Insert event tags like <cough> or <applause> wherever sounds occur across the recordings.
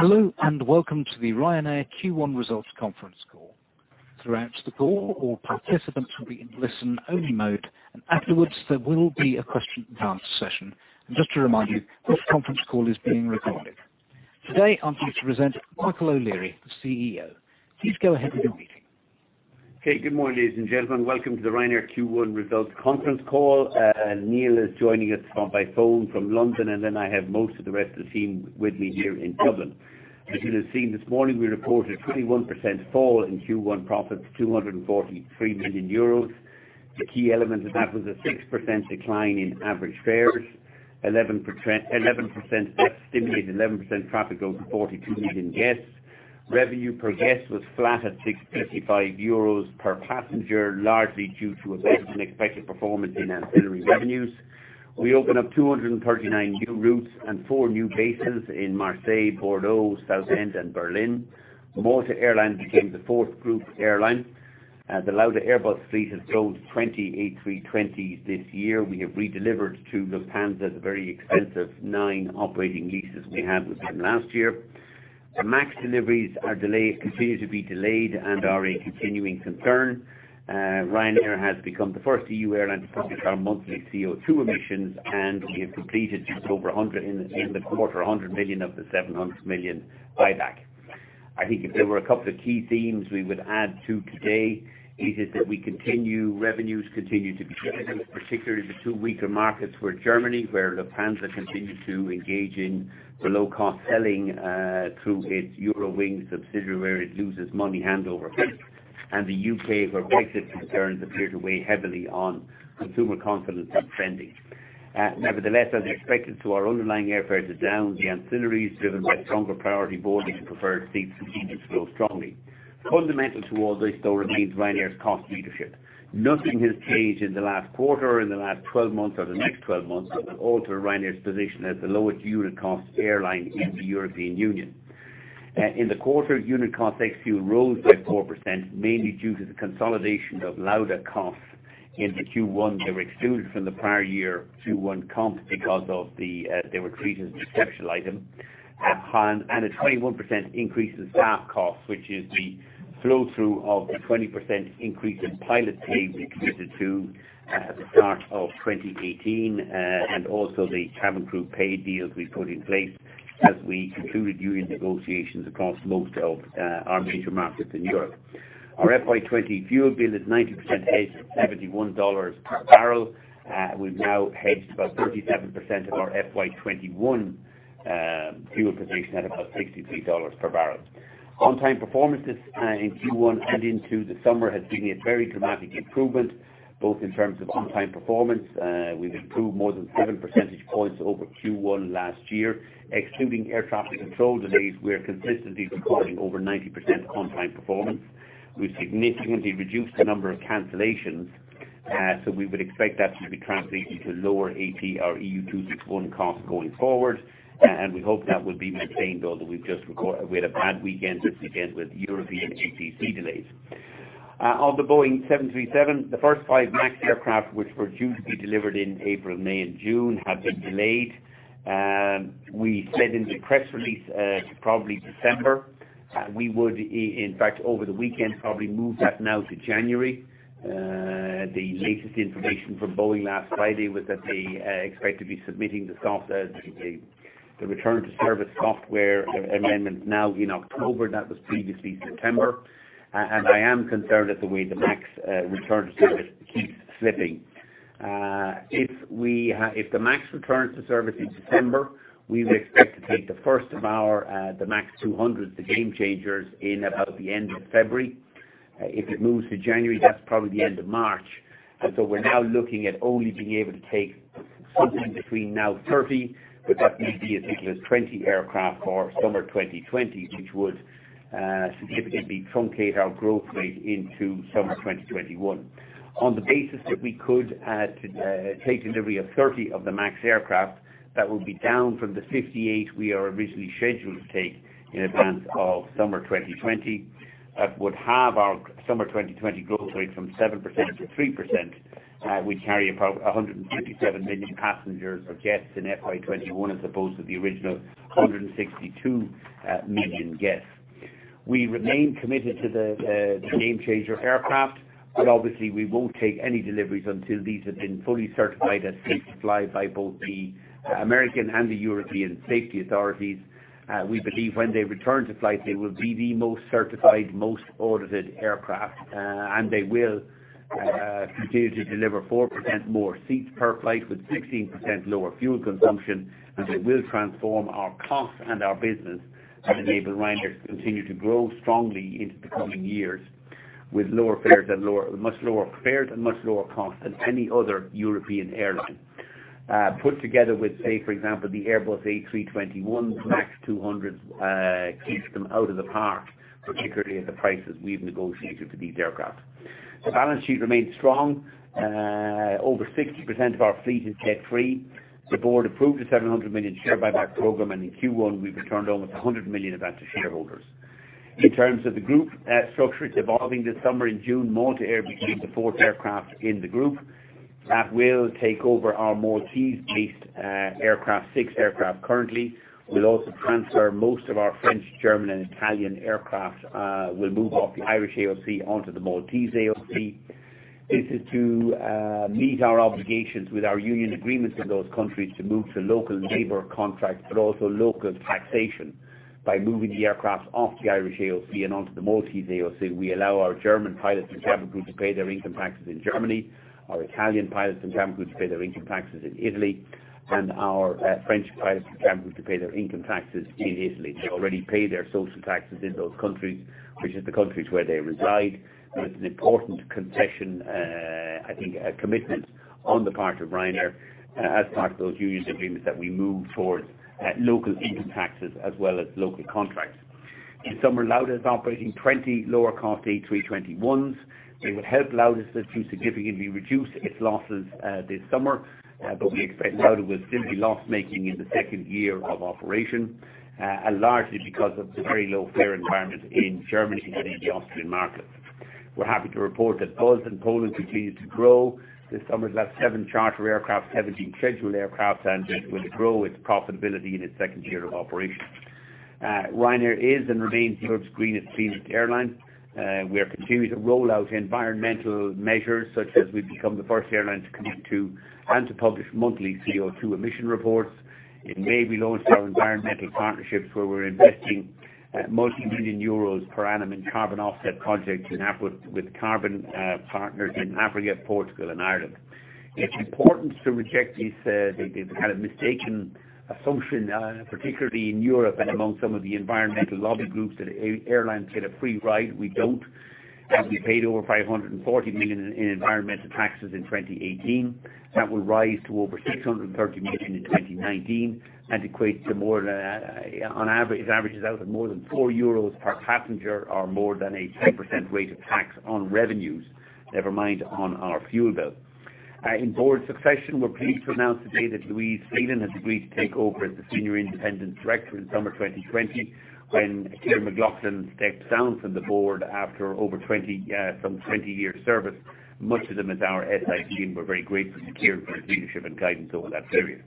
Hello, and welcome to the Ryanair Q1 results conference call. Throughout the call, all participants will be in listen-only mode, and afterwards, there will be a question and answer session. Just to remind you, this conference call is being recorded. Today, I'm pleased to present Michael O'Leary, the CEO. Please go ahead with your meeting. Okay. Good morning, ladies and gentlemen. Welcome to the Ryanair Q1 results conference call. Neil is joining us by phone from London, and then I have most of the rest of the team with me here in Dublin. As you have seen this morning, we reported a 21% fall in Q1 profits, 243 million euros. The key element of that was a 6% decline in average fares, 11% stimulate 11% traffic growth to 42 million guests. Revenue per guest was flat at 655 euros per passenger, largely due to a better than expected performance in ancillary revenues. We opened up 239 new routes and four new bases in Marseille, Bordeaux, Southend, and Berlin. Malta Air became the fourth group airline. The Lauda Airbus fleet has grown 20 A320s this year. We have redelivered to Lufthansa the very expensive nine operating leases we had with them last year. The MAX deliveries are delayed, continue to be delayed and are a continuing concern. Ryanair has become the first E.U. airline to publish our monthly CO2 emissions, and we have completed in the quarter 100 million of the 700 million buyback. I think if there were a couple of key themes we would add to today, it is that revenues continue to be particularly the two weaker markets were Germany, where Lufthansa continues to engage in below cost selling through its Eurowings subsidiary where it loses money hand over fist, and the U.K. where Brexit concerns appear to weigh heavily on consumer confidence and spending. Nevertheless, as expected to our underlying airfares are down, the ancillaries driven by stronger priority boarding and preferred seats continued to grow strongly. Fundamental to all this though remains Ryanair's cost leadership. Nothing has changed in the last quarter, in the last 12 months, or the next 12 months that will alter Ryanair's position as the lowest unit cost airline in the European Union. In the quarter, unit cost ex fuel rose by 4%, mainly due to the consolidation of Lauda costs into Q1 that were excluded from the prior year Q1 comp because they were treated as a special item. A 21% increase in staff costs, which is the flow-through of the 20% increase in pilot pay we committed to at the start of 2018, and also the cabin crew pay deals we put in place as we concluded union negotiations across most of our major markets in Europe. Our FY 2020 fuel bill is 90% hedged at $71 per barrel. We've now hedged about 37% of our FY 2021 fuel position at about $63 per barrel. On-time performances in Q1 and into the summer has seen a very dramatic improvement, both in terms of on-time performance. We've improved more than seven percentage points over Q1 last year. Excluding air traffic control delays, we are consistently recording over 90% on-time performance. We've significantly reduced the number of cancellations, so we would expect that to be translating to lower ATC EU261 costs going forward, and we hope that will be maintained, although we had a bad weekend this weekend with European ATC delays. On the Boeing 737, the first five MAX aircraft, which were due to be delivered in April, May, and June, have been delayed. We said in the press release, probably December. We would, in fact, over the weekend, probably move that now to January. The latest information from Boeing last Friday was that they expect to be submitting the return to service software amendment now in October. That was previously September. I am concerned at the way the MAX return to service keeps slipping. If the MAX returns to service in September, we would expect to take the first of the MAX 200s, the Gamechangers, in about the end of February. If it moves to January, that's probably the end of March. We're now looking at only being able to take something between now 30, but that may be as little as 20 aircraft for summer 2020, which would significantly truncate our growth rate into summer 2021. On the basis that we could take delivery of 30 of the MAX aircraft, that would be down from the 58 we are originally scheduled to take in advance of summer 2020. That would halve our summer 2020 growth rate from 7%-3%, we'd carry about 157 million passengers or guests in FY 2021 as opposed to the original 162 million guests. We remain committed to the Gamechanger aircraft, but obviously, we won't take any deliveries until these have been fully certified as safe to fly by both the American and the European safety authorities. We believe when they return to flight, they will be the most certified, most audited aircraft. They will continue to deliver 4% more seats per flight with 16% lower fuel consumption, and they will transform our cost and our business and enable Ryanair to continue to grow strongly into the coming years with much lower fares and much lower costs than any other European airline. Put together with, say, for example, the Airbus A321, MAX 200 keeps them out of the park, particularly at the prices we've negotiated for these aircraft. The balance sheet remains strong. Over 60% of our fleet is debt-free. The board approved a 700 million share buyback program, and in Q1, we returned almost 100 million of that to shareholders. In terms of the group structure, it's evolving this summer. In June, Malta Air begins the fourth aircraft in the group. That will take over our Maltese-based aircraft, six aircraft currently. We'll also transfer most of our French, German, and Italian aircraft. We'll move off the Irish AOC onto the Maltese AOC. This is to meet our obligations with our union agreements in those countries to move to local labor contracts, but also local taxation. By moving the aircraft off the Irish AOC and onto the Maltese AOC, we allow our German pilots and cabin crew to pay their income taxes in Germany, our Italian pilots and cabin crew to pay their income taxes in Italy, and our French pilots and cabin crew to pay their income taxes in Italy. They already pay their social taxes in those countries, which is the countries where they reside. It's an important concession, I think, a commitment on the part of Ryanair as part of those union agreements that we move towards local income taxes as well as local contracts. In summer, Lauda is operating 20 lower-cost A321s. They will help Lauda to significantly reduce its losses this summer. We expect Lauda will still be loss-making in the second year of operation, largely because of the very low fare environment in Germany and in the Austrian markets. We are happy to report that Buzz in Poland continues to grow. This summer it will have 7 charter aircraft, 17 scheduled aircraft, and it will grow its profitability in its second year of operation. Ryanair is and remains Europe's greenest airline. We are continuing to roll out environmental measures such as we have become the first airline to commit to and to publish monthly CO2 emission reports. In May, we launched our environmental partnerships where we are investing multi-million EUR per annum in carbon offset projects in output with carbon partners in Africa, Portugal, and Ireland. It's important to reject this kind of mistaken assumption, particularly in Europe and among some of the environmental lobby groups, that airlines get a free ride. We don't. We paid over 540 million in environmental taxes in 2018. That will rise to over 630 million in 2019 and equates to It averages out at more than 4 euros per passenger or more than a 10% rate of tax on revenues. Never mind on our fuel bill. In board succession, we're pleased to announce today that Louise Phelan has agreed to take over as the Senior Independent Director in summer 2020 when Kyran McLaughlin steps down from the board after some 20 years service, much of them as our SID. We're very grateful to Kyran for his leadership and guidance over that period.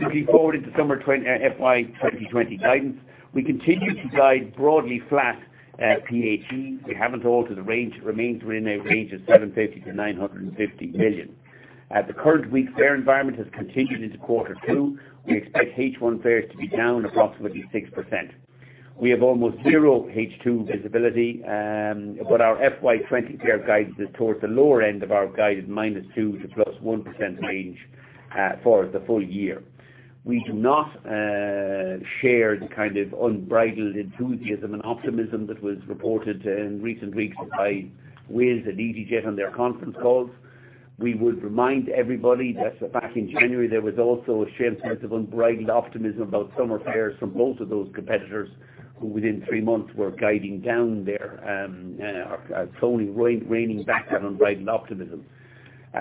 Looking forward into FY 2020 guidance, we continue to guide broadly flat PAT. We haven't altered the range. It remains within a range of 750 million-950 million. The current weak fare environment has continued into quarter two. We expect H1 fares to be down approximately 6%. We have almost zero H2 visibility. Our FY 2020 fare guidance is towards the lower end of our guide of -2% to +1% range for the full year. We do not share the kind of unbridled enthusiasm and optimism that was reported in recent weeks by Wizz and easyJet on their conference calls. We would remind everybody that back in January, there was also a share point of unbridled optimism about summer fares from both of those competitors, who within three months were slowly reigning back that unbridled optimism.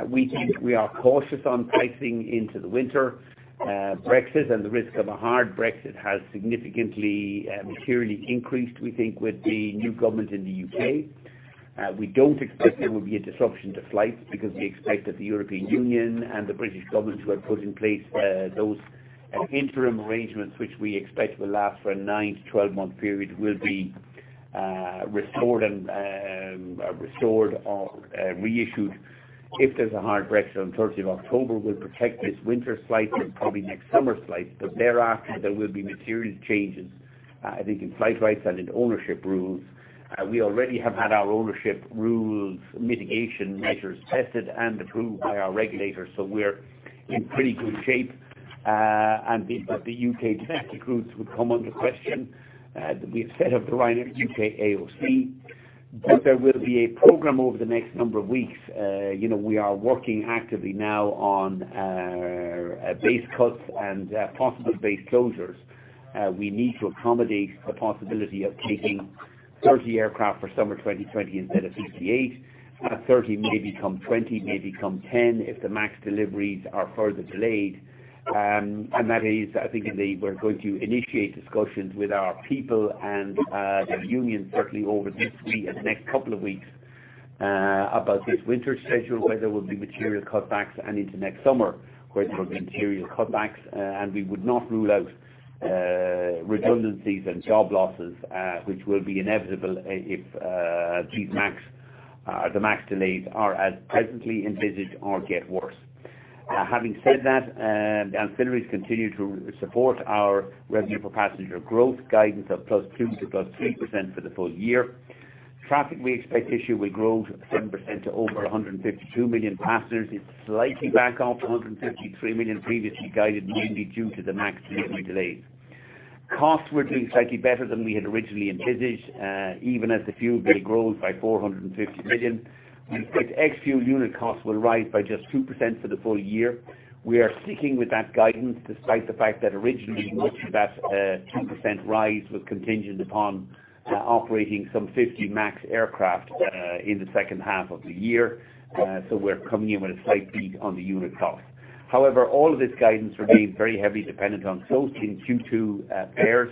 We think we are cautious on pricing into the winter. The risk of a hard Brexit has significantly materially increased, we think, with the new government in the U.K. We don't expect there will be a disruption to flights because we expect that the European Union and the British government who have put in place those interim arrangements, which we expect will last for a nine to 12-month period, will be restored or reissued. If there's a hard Brexit on 30th of October, we'll protect this winter's flights and probably next summer's flights. Thereafter, there will be material changes, I think in flight rights and in ownership rules. We already have had our ownership rules mitigation measures tested and approved by our regulators, so we're in pretty good shape. The U.K. crew would come under question. We have set up the Ryanair UK AOC. There will be a program over the next number of weeks. We are working actively now on base cuts and possible base closures. We need to accommodate the possibility of taking 30 aircraft for summer 2020 instead of 58. That 30 may become 20, may become 10 if the MAX deliveries are further delayed. That is, I think we're going to initiate discussions with our people and the unions certainly over this week and the next couple of weeks about this winter schedule, where there will be material cutbacks and into next summer, where there will be material cutbacks. We would not rule out redundancies and job losses, which will be inevitable if the MAX delays are as presently envisaged or get worse. Having said that, ancillaries continue to support our revenue per passenger growth guidance of +2% to +3% for the full year. Traffic, we expect this year will grow 7% to over 152 million passengers. It's slightly back off 153 million previously guided, mainly due to the MAX family delays. Costs will be slightly better than we had originally envisaged, even as the fuel bill grows by 450 million. We expect ex-fuel unit costs will rise by just 2% for the full year. We are sticking with that guidance despite the fact that originally much of that 2% rise was contingent upon operating some 50 MAX aircraft in the second half of the year. We're coming in with a slight beat on the unit cost. However, all of this guidance remains very heavily dependent on closing Q2 fares,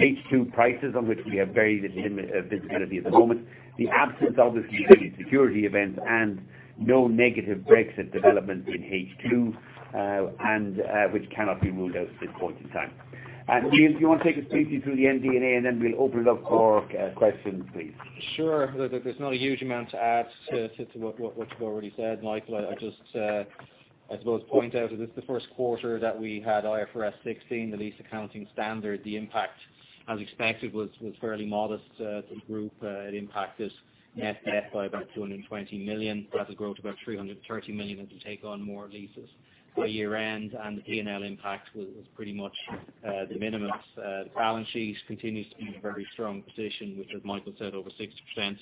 H2 prices, on which we have very limited visibility at the moment, the absence of significant security events, and no negative Brexit developments in H2, and which cannot be ruled out at this point in time. Neil, do you want to take us briefly through the MD&A, and then we'll open it up for questions, please. Sure. There's not a huge amount to add to what you've already said, Michael. I just, I suppose, point out that it's the first quarter that we had IFRS 16, the lease accounting standard. The impact, as expected, was fairly modest to the group. It impacted net debt by about 220 million. That'll grow to about 330 million as we take on more leases by year-end. The P&L impact was pretty much the minimum. The balance sheet continues to be in a very strong position which, as Michael said, over 60%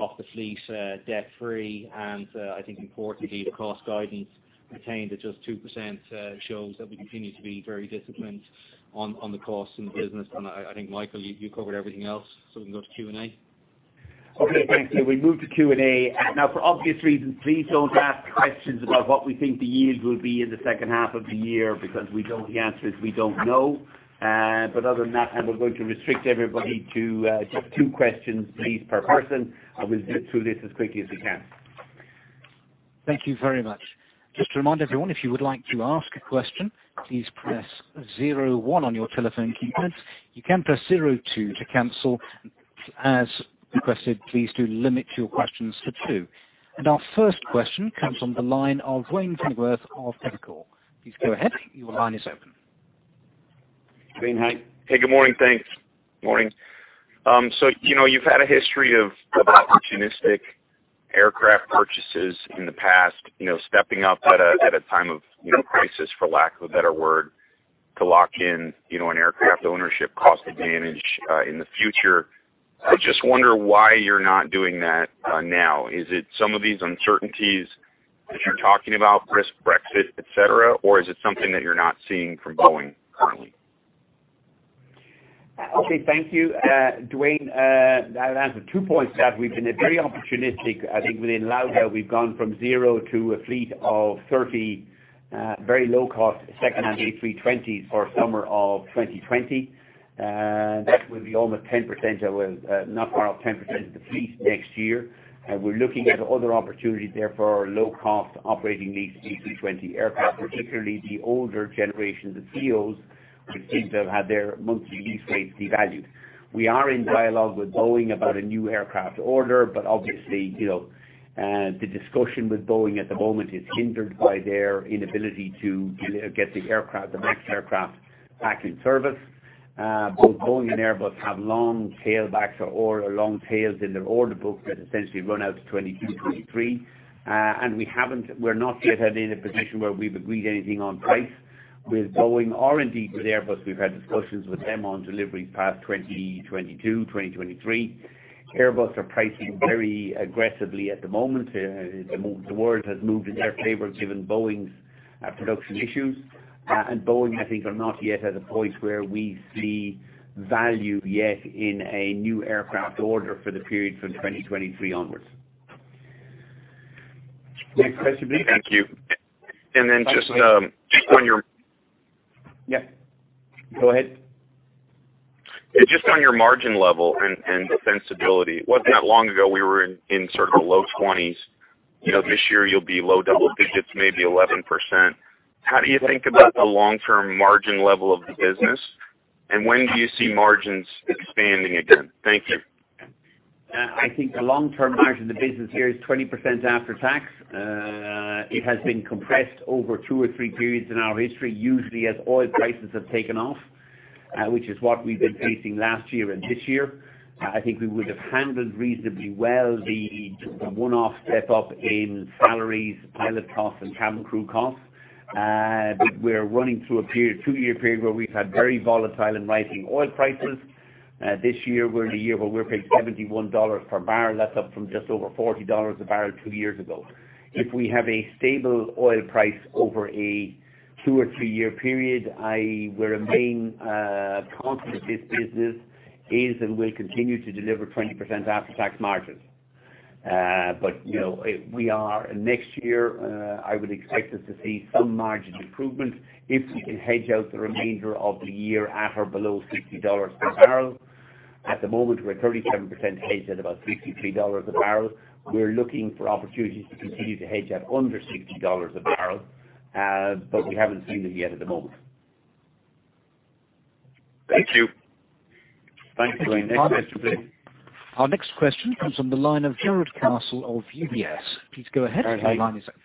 of the fleet, debt-free. I think importantly, the cost guidance retained at just 2% shows that we continue to be very disciplined on the costs in the business. I think, Michael, you covered everything else, so we can go to Q&A. Okay, thanks. We move to Q&A. Now, for obvious reasons, please don't ask questions about what we think the yield will be in the second half of the year, because the answer is we don't know. Other than that, we're going to restrict everybody to just two questions, please, per person. We'll zip through this as quickly as we can. Thank you very much. Just to remind everyone, if you would like to ask a question, please presszero one on your telephone keypad. You can press zero two to cancel. As requested, please do limit your questions to two. Our first question comes from the line of Duane Pfennigwerth of Evercore. Please go ahead. Your line is open. Duane. Hi. Hey, good morning. Thanks. Morning. You've had a history of opportunistic aircraft purchases in the past, stepping up at a time of crisis, for lack of a better word, to lock in an aircraft ownership cost advantage in the future. I just wonder why you're not doing that now. Is it some of these uncertainties that you're talking about, risk, Brexit, et cetera? Is it something that you're not seeing from Boeing currently? Okay, thank you. Duane, I'll answer two points to that. We've been very opportunistic. I think within Lauda we've gone from zero to a fleet of 30 very low-cost second-hand A320s for summer of 2020. That will be almost 10%, well, not far off 10% of the fleet next year. We're looking at other opportunities there for our low-cost operating lease A320 aircraft, particularly the older generations of CFMs, which seem to have had their monthly lease rates devalued. We are in dialogue with Boeing about a new aircraft order, but obviously, the discussion with Boeing at the moment is hindered by their inability to get the MAX aircraft back in service. Both Boeing and Airbus have long tailbacks or long tails in their order books that essentially run out to 2022, 2023. We're not yet in a position where we've agreed anything on price with Boeing or indeed with Airbus. We've had discussions with them on deliveries past 2022, 2023. Airbus are pricing very aggressively at the moment. The world has moved in their favor given Boeing's production issues. Boeing, I think, are not yet at a point where we see value yet in a new aircraft order for the period from 2023 onwards. Next question please. Thank you. Then just on your- Yeah. Go ahead. Just on your margin level and defensibility. It wasn't that long ago we were in sort of low 20s. This year you'll be low double digits, maybe 11%. How do you think about the long-term margin level of the business, and when do you see margins expanding again? Thank you. I think the long-term margin of the business here is 20% after tax. It has been compressed over two or three periods in our history, usually as oil prices have taken off, which is what we've been facing last year and this year. I think we would have handled reasonably well the one-off step-up in salaries, pilot costs, and cabin crew costs. We're running through a two-year period where we've had very volatile and rising oil prices. This year we're in a year where we're paying $71 per barrel. That's up from just over $40 a barrel two years ago. If we have a stable oil price over a two- or three-year period, i.e. where a main constant of this business is and will continue to deliver 20% after-tax margins. Next year, I would expect us to see some margin improvement if we can hedge out the remainder of the year at or below $60 per barrel. At the moment, we're 37% hedged at about $63 a barrel. We're looking for opportunities to continue to hedge at under $60 a barrel. We haven't seen them yet at the moment. Thank you. Thanks, Duane. Next question please. Our next question comes on the line of Jarrod Castle of UBS. Please go ahead. Your line is open.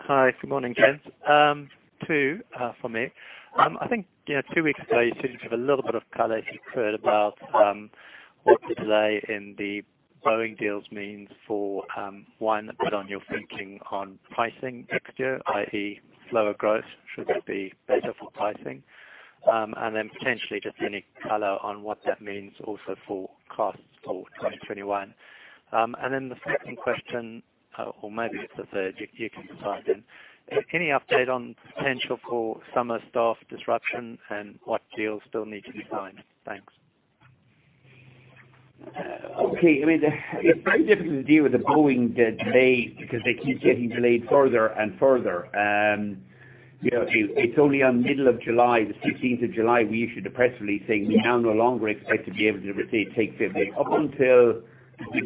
Hi. Good morning, gents. Two from me. I think two weeks ago you seemed to have a little bit of color as you heard about what the delay in the Boeing deals means for, one, put on your thinking on pricing next year, i.e. slower growth. Should that be better for pricing? Potentially just any color on what that means also for costs for 2021. The second question, or maybe it's the third. You can decide then. Any update on potential for summer staff disruption and what deals still need to be signed? Thanks. Okay. It's very difficult to deal with the Boeing delay because they keep getting delayed further and further. It's only on middle of July, the 16th of July, we issued a press release saying we now no longer expect to be able to take delivery. Up until the middle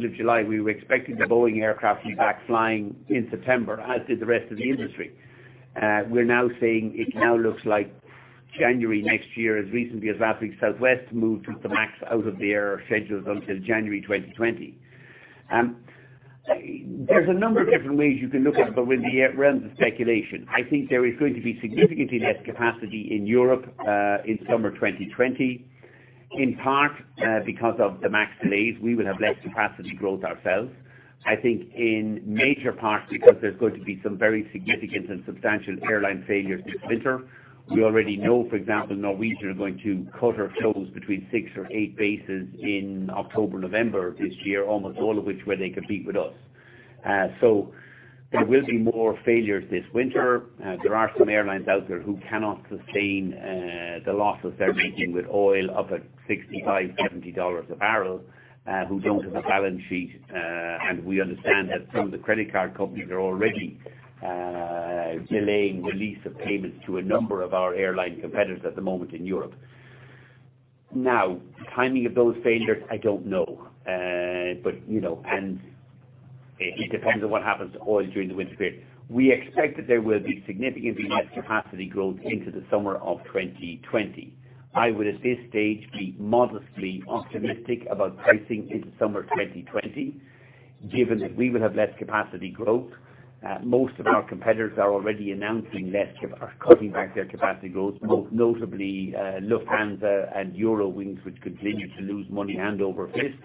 of July, we were expecting the Boeing aircraft to be back flying in September, as did the rest of the industry. We're now saying it now looks like January next year, as recently as last week, Southwest moved the MAX out of their schedules until January 2020. There's a number of different ways you can look at it, but within the realms of speculation. I think there is going to be significantly less capacity in Europe in summer 2020. In part, because of the MAX delays, we will have less capacity growth ourselves. I think in major part because there's going to be some very significant and substantial airline failures this winter. We already know, for example, Norwegian are going to cut or close between six or eight bases in October, November of this year, almost all of which where they compete with us. There will be more failures this winter. There are some airlines out there who cannot sustain the losses they're taking with oil up at $65, $70 a barrel, who don't have a balance sheet. We understand that some of the credit card companies are already delaying release of payments to a number of our airline competitors at the moment in Europe. The timing of those failures, I don't know. It depends on what happens to oil during the winter period. We expect that there will be significantly less capacity growth into the summer of 2020. I would, at this stage, be modestly optimistic about pricing into summer 2020, given that we will have less capacity growth. Most of our competitors are already announcing less, or cutting back their capacity growth. Most notably, Lufthansa and Eurowings, which continue to lose money hand over fist.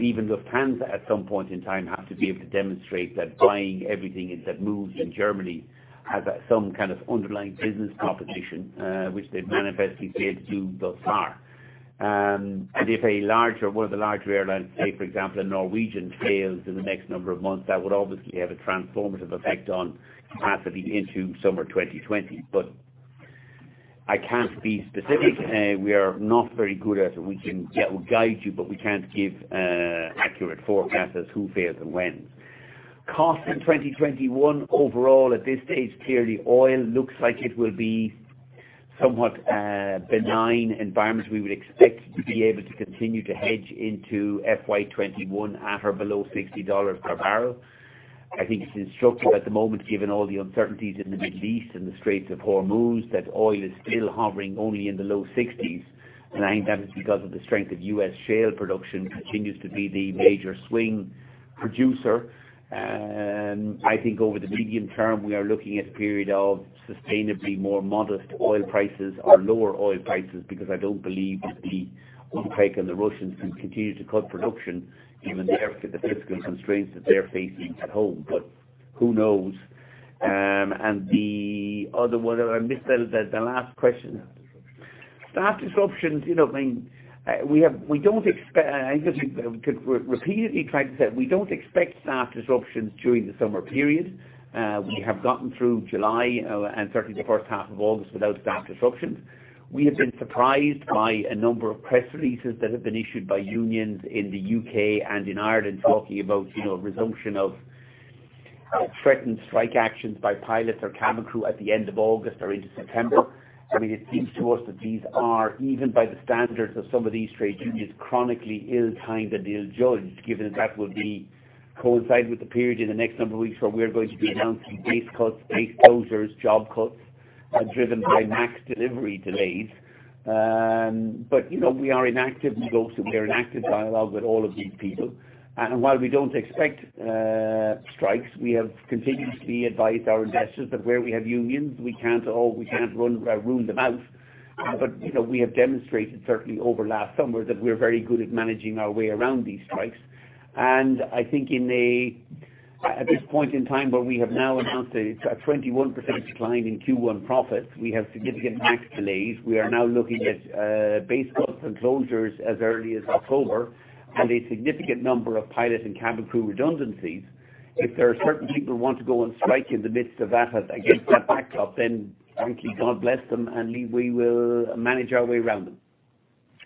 Even Lufthansa, at some point in time, have to be able to demonstrate that buying everything that moves in Germany has some kind of underlying business competition, which they've manifestly failed to do thus far. If a larger, one of the larger airlines, say for example, a Norwegian fails in the next number of months, that would obviously have a transformative effect on capacity into summer 2020. I can't be specific. We are not very good at it. We can guide you, but we can't give accurate forecasts as who fails and when. Cost in 2021 overall, at this stage, clearly oil looks like it will be somewhat benign environment. We would expect to be able to continue to hedge into FY 2021 at or below EUR 60 per barrel. I think it's instructive at the moment, given all the uncertainties in the Middle East and the Straits of Hormuz, that oil is still hovering only in the low 60s. I think that is because of the strength of U.S. shale production continues to be the major swing producer. I think over the medium term, we are looking at a period of sustainably more modest oil prices or lower oil prices, because I don't believe that the OPEC and the Russians can continue to cut production, given the fiscal constraints that they're facing at home, but who knows? The other one, I missed the last question. Staff disruptions. I think as we repeatedly tried to say, we don't expect staff disruptions during the summer period. We have gotten through July, and certainly the first half of August, without staff disruptions. We have been surprised by a number of press releases that have been issued by unions in the U.K. and in Ireland talking about resumption of threatened strike actions by pilots or cabin crew at the end of August or into September. It seems to us that these are, even by the standards of some of these trade unions, chronically ill-timed and ill-judged, given that would be coincided with the period in the next number of weeks where we're going to be announcing base cuts, base closures, job cuts driven by MAX delivery delays. We are in active dialogue with all of these people. While we don't expect strikes, we have continuously advised our investors that where we have unions, we can't run them out. We have demonstrated, certainly over last summer, that we're very good at managing our way around these strikes. I think at this point in time, where we have now announced a 21% decline in Q1 profits, we have significant MAX delays. We are now looking at base cuts and closures as early as October, and a significant number of pilot and cabin crew redundancies. If there are certain people who want to go on strike in the midst of that as against that backdrop, then frankly, God bless them, and we will manage our way around them.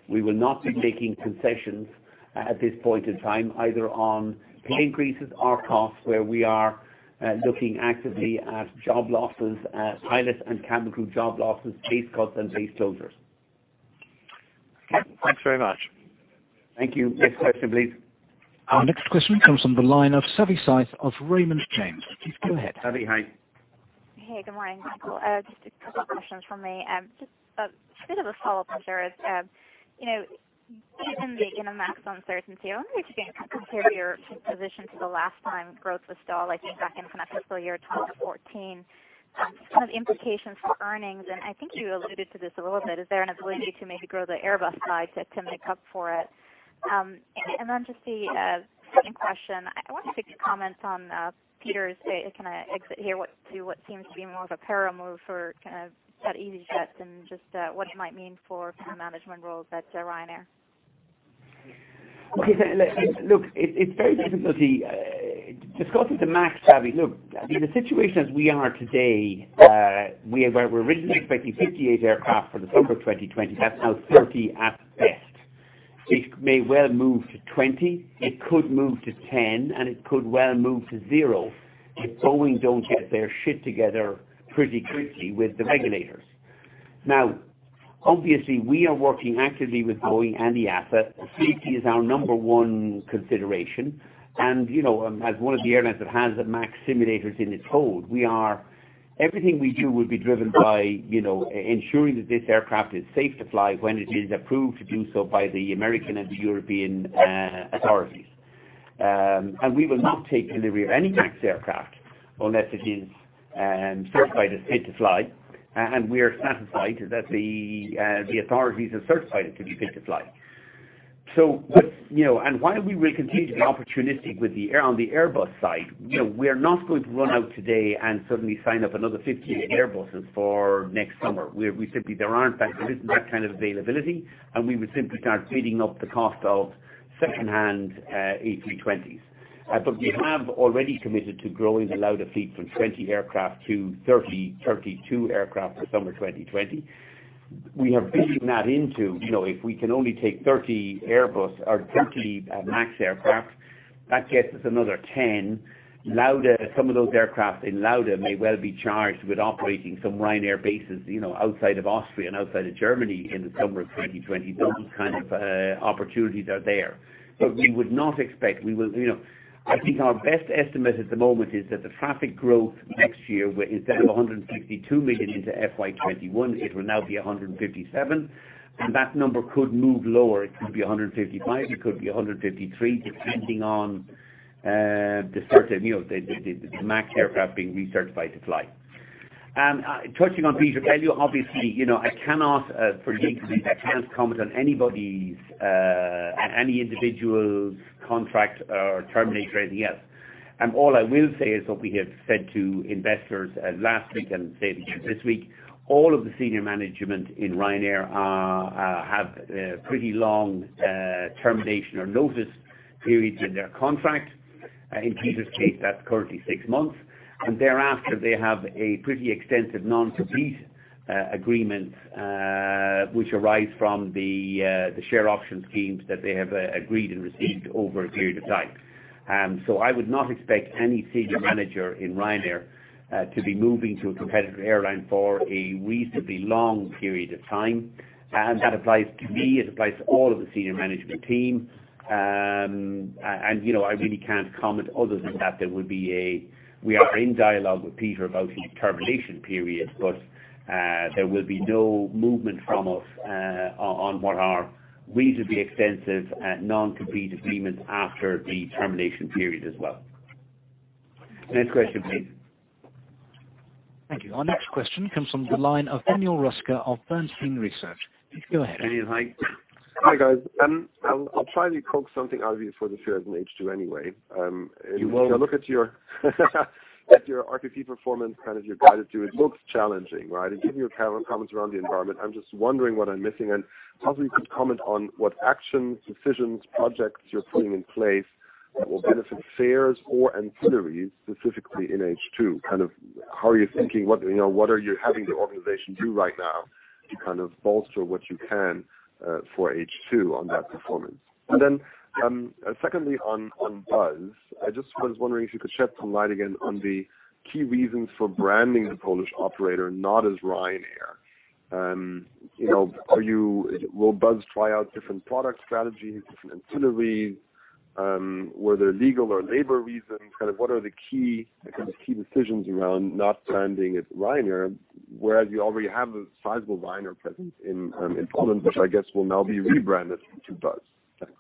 We will not be making concessions at this point in time, either on pay increases or costs, where we are looking actively at job losses, pilots and cabin crew job losses, base cuts, and base closures. Thanks very much. Thank you. Next question, please. Our next question comes from the line of Savi Syth of Raymond James. Please go ahead. Savi, hi. Hey, good morning, Michael. Just a couple questions from me. A bit of a follow-up on there is, given the MAX uncertainty, I wonder if you can kind of compare your position to the last time growth was stall, I think back in financial year 2012-2014. Sort of implications for earnings. I think you alluded to this a little bit. Is there an ability to maybe grow the Airbus side to make up for it? The second question. I wonder if you could comment on Peter's exit here to what seems to be more of a parallel move for that easyJet. What it might mean for management roles at Ryanair. Discussing the MAX, Savi. I mean the situation as we are today, we were originally expecting 58 aircraft for the summer 2020. That's now 30 at best. It may well move to 20. It could move to 10, and it could well move to 0 if Boeing don't get their together pretty quickly with the regulators. Obviously, we are working actively with Boeing and the asset. Safety is our number one consideration. And as one of the airlines that has the MAX simulators in its hold, everything we do will be driven by ensuring that this aircraft is safe to fly when it is approved to do so by the American and the European authorities. We will not take delivery of any MAX aircraft unless it is certified as safe to fly, and we are satisfied that the authorities have certified it to be safe to fly. While we will continue to be opportunistic on the Airbus side, we're not going to run out today and suddenly sign up another 50 Airbuses for next summer. There isn't that kind of availability, and we would simply start bidding up the cost of secondhand A320s. We have already committed to growing the Lauda fleet from 20 aircraft to 30, 32 aircraft for summer 2020. We have built that into if we can only take 30 MAX aircraft, that gets us another 10. Some of those aircraft in Lauda may well be charged with operating some Ryanair bases outside of Austria and outside of Germany in the summer of 2020. Those kind of opportunities are there. I think our best estimate at the moment is that the traffic growth next year, instead of 152 million into FY 2021, it will now be 157 million. That number could move lower. It could be 155 million, it could be 153 million, depending on the MAX aircraft being recertified to fly. Touching on Peter, Savi, obviously, for legal reasons, I cannot comment on any individual's contract or termination or anything else. All I will say is what we have said to investors last week and said this week. All of the senior management in Ryanair have pretty long termination or notice periods in their contract. In Peter's case, that's currently six months. Thereafter, they have a pretty extensive non-compete agreement which arise from the share option schemes that they have agreed and received over a period of time. I would not expect any senior manager in Ryanair to be moving to a competitor airline for a reasonably long period of time. That applies to me, it applies to all of the senior management team. I really can't comment other than that. We are in dialogue with Peter about his termination period, there will be no movement from us on what are reasonably extensive non-compete agreements after the termination period as well. Next question please. Thank you. Our next question comes from the line of Daniel Roeska of Bernstein Research. Please go ahead. Daniel, hi. Hi, guys. I'll try and coax something out of you for the fares in H2 anyway. You won't. If I look at your RASK performance, kind of your guided tour, it looks challenging, right? Given your comments around the environment, I'm just wondering what I'm missing and how you could comment on what actions, decisions, projects you're putting in place that will benefit fares or ancillaries specifically in H2. Kind of how are you thinking? What are you having the organization do right now to kind of bolster what you can for H2 on that performance? Secondly on Buzz, I just was wondering if you could shed some light again on the key reasons for branding the Polish operator not as Ryanair. Will Buzz try out different product strategies, different ancillaries? Were there legal or labor reasons? What are the key decisions around not branding it Ryanair, whereas you already have a sizable Ryanair presence in Poland, which I guess will now be rebranded to Buzz? Thanks.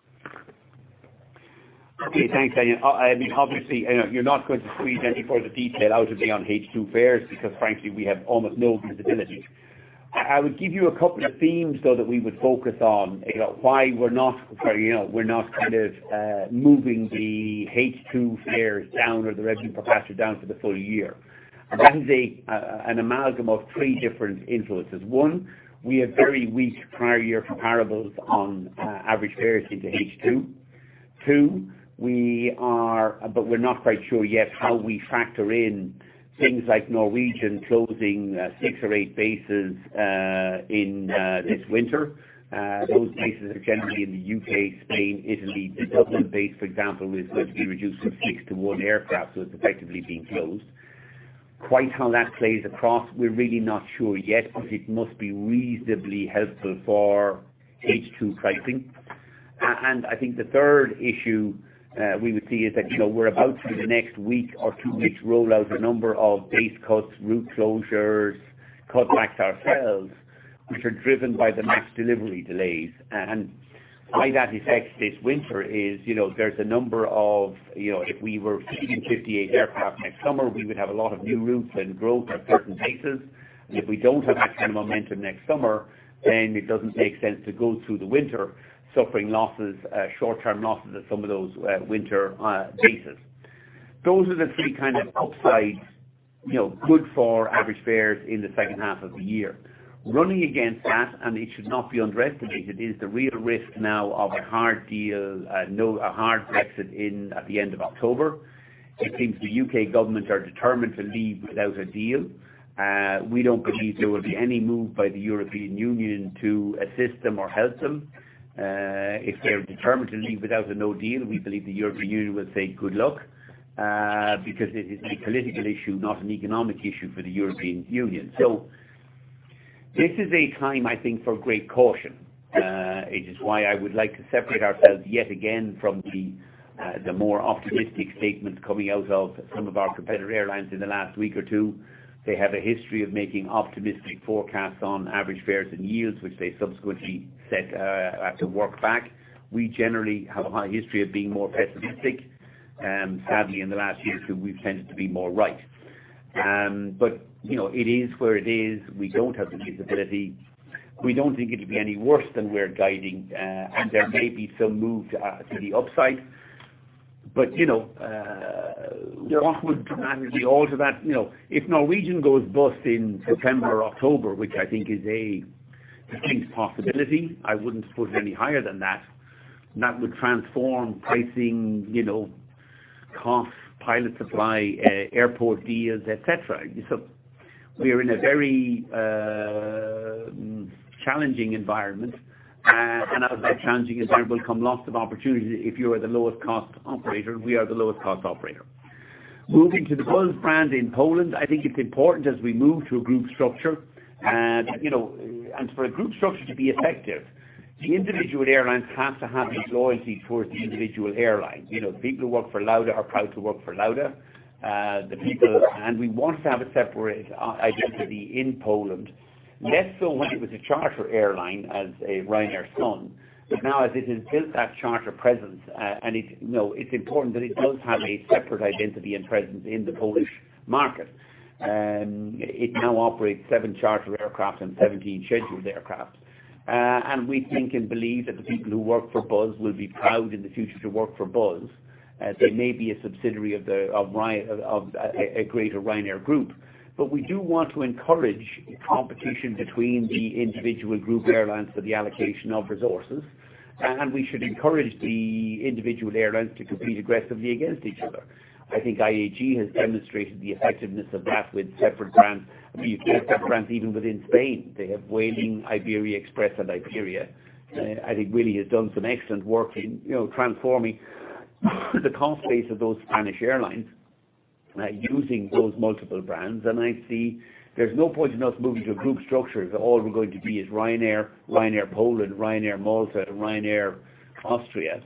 Okay. Thanks, Daniel. Obviously, you're not going to squeeze any further detail out of me on H2 fares because frankly, we have almost no visibility. I would give you a couple of themes, though, that we would focus on. Why we're not kind of moving the H2 fares down or the revenue per passenger down for the full year. That is an amalgam of three different influences. One, we have very weak prior year comparables on average fares into H2. Two, we're not quite sure yet how we factor in things like Norwegian closing six or eight bases this winter. Those bases are generally in the U.K., Spain, Italy. The Dublin base, for example, is going to be reduced from six to one aircraft, so it's effectively being closed. Quite how that plays across, we're really not sure yet, it must be reasonably helpful for H2 pricing. I think the third issue we would see is that we're about to, in the next week or 2 weeks, roll out a number of base cuts, route closures, cutbacks ourselves, which are driven by the MAX delivery delays. Why that affects this winter is if we were feeding 58 aircraft next summer, we would have a lot of new routes and growth at certain bases. If we don't have that kind of momentum next summer, then it doesn't make sense to go through the winter suffering short-term losses at some of those winter bases. Those are the three kind of outsideGood for average fares in the second half of the year. Running against that, and it should not be underestimated, is the real risk now of a hard deal, a hard Brexit at the end of October. It seems the U.K. government are determined to leave without a deal. We don't believe there will be any move by the European Union to assist them or help them. If they're determined to leave without a no deal, we believe the European Union will say good luck, because it is a political issue, not an economic issue for the European Union. This is a time, I think, for great caution. It is why I would like to separate ourselves yet again from the more optimistic statements coming out of some of our competitor airlines in the last week or two. They have a history of making optimistic forecasts on average fares and yields, which they subsequently set to work back. We generally have a history of being more pessimistic. Sadly, in the last year or two, we've tended to be more right. It is where it is. We don't have the visibility. We don't think it'll be any worse than we're guiding, and there may be some move to the upside. What would dramatically alter that? If Norwegian goes bust in September or October, which I think is a distinct possibility, I wouldn't put it any higher than that would transform pricing, costs, pilot supply, airport deals, et cetera. We are in a very challenging environment. Out of that challenging environment come lots of opportunities if you are the lowest cost operator, and we are the lowest cost operator. Moving to the Buzz brand in Poland, I think it's important as we move to a group structure. For a group structure to be effective, the individual airlines have to have a loyalty towards the individual airline. People who work for Lauda are proud to work for Lauda. We want to have a separate identity in Poland, less so when it was a charter airline as a Ryanair Sun. Now as it has built that charter presence, and it's important that it does have a separate identity and presence in the Polish market. It now operates seven charter aircraft and 17 scheduled aircraft. We think and believe that the people who work for Buzz will be proud in the future to work for Buzz, as they may be a subsidiary of a greater Ryanair Group. We do want to encourage competition between the individual group airlines for the allocation of resources. We should encourage the individual airlines to compete aggressively against each other. I think IAG has demonstrated the effectiveness of that with separate brands. I mean, you can have separate brands even within Spain. They have Vueling, Iberia Express and Iberia. I think Willie has done some excellent work in transforming the cost base of those Spanish airlines by using those multiple brands. There's no point in us moving to a group structure if all we're going to be is Ryanair, Buzz, Malta Air, and Lauda.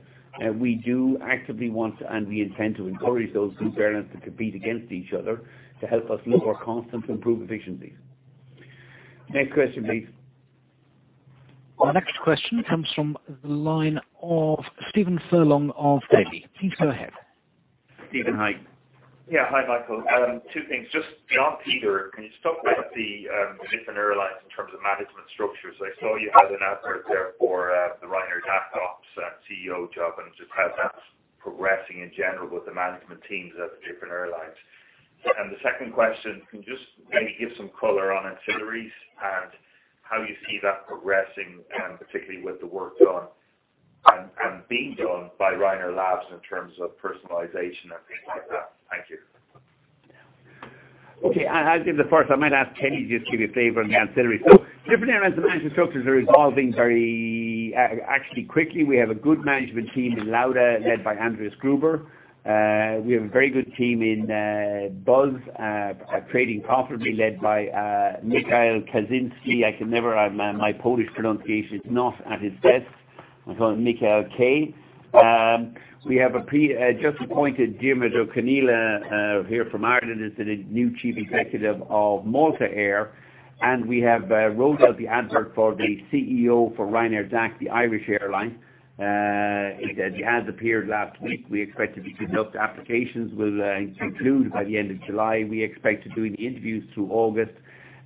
We do actively want, and we intend to encourage those group airlines to compete against each other to help us lower costs and to improve efficiencies. Next question, please. Our next question comes from the line of Stephen Furlong of Davy. Please go ahead. Stephen, hi. Hi, Michael. Two things. Just on Peter, can you talk about the different airlines in terms of management structures? I saw you had an advert there for the Ryanair DAC ops CEO job, just how that's progressing in general with the management teams at the different airlines. The second question, can you just maybe give some color on ancillaries and how you see that progressing, particularly with the work done and being done by Ryanair Labs in terms of personalization and things like that? Thank you. I'll give the first. I might ask Kenny to just give you a flavor on the ancillary. Different airlines, the management structures are evolving very actually quickly. We have a good management team in Lauda, led by Andreas Gruber. We have a very good team in Buzz, trading profitably led by Michal Kaczmarzyk. My Polish pronunciation is not at its best. I'll call him Mikhail K. We have just appointed Diarmuid O'Conghaile here from Ireland as the new Chief Executive of Malta Air, and we have rolled out the advert for the CEO for Ryanair DAC, the Irish airline. The ad appeared last week. Applications will conclude by the end of July. We expect to do the interviews through August.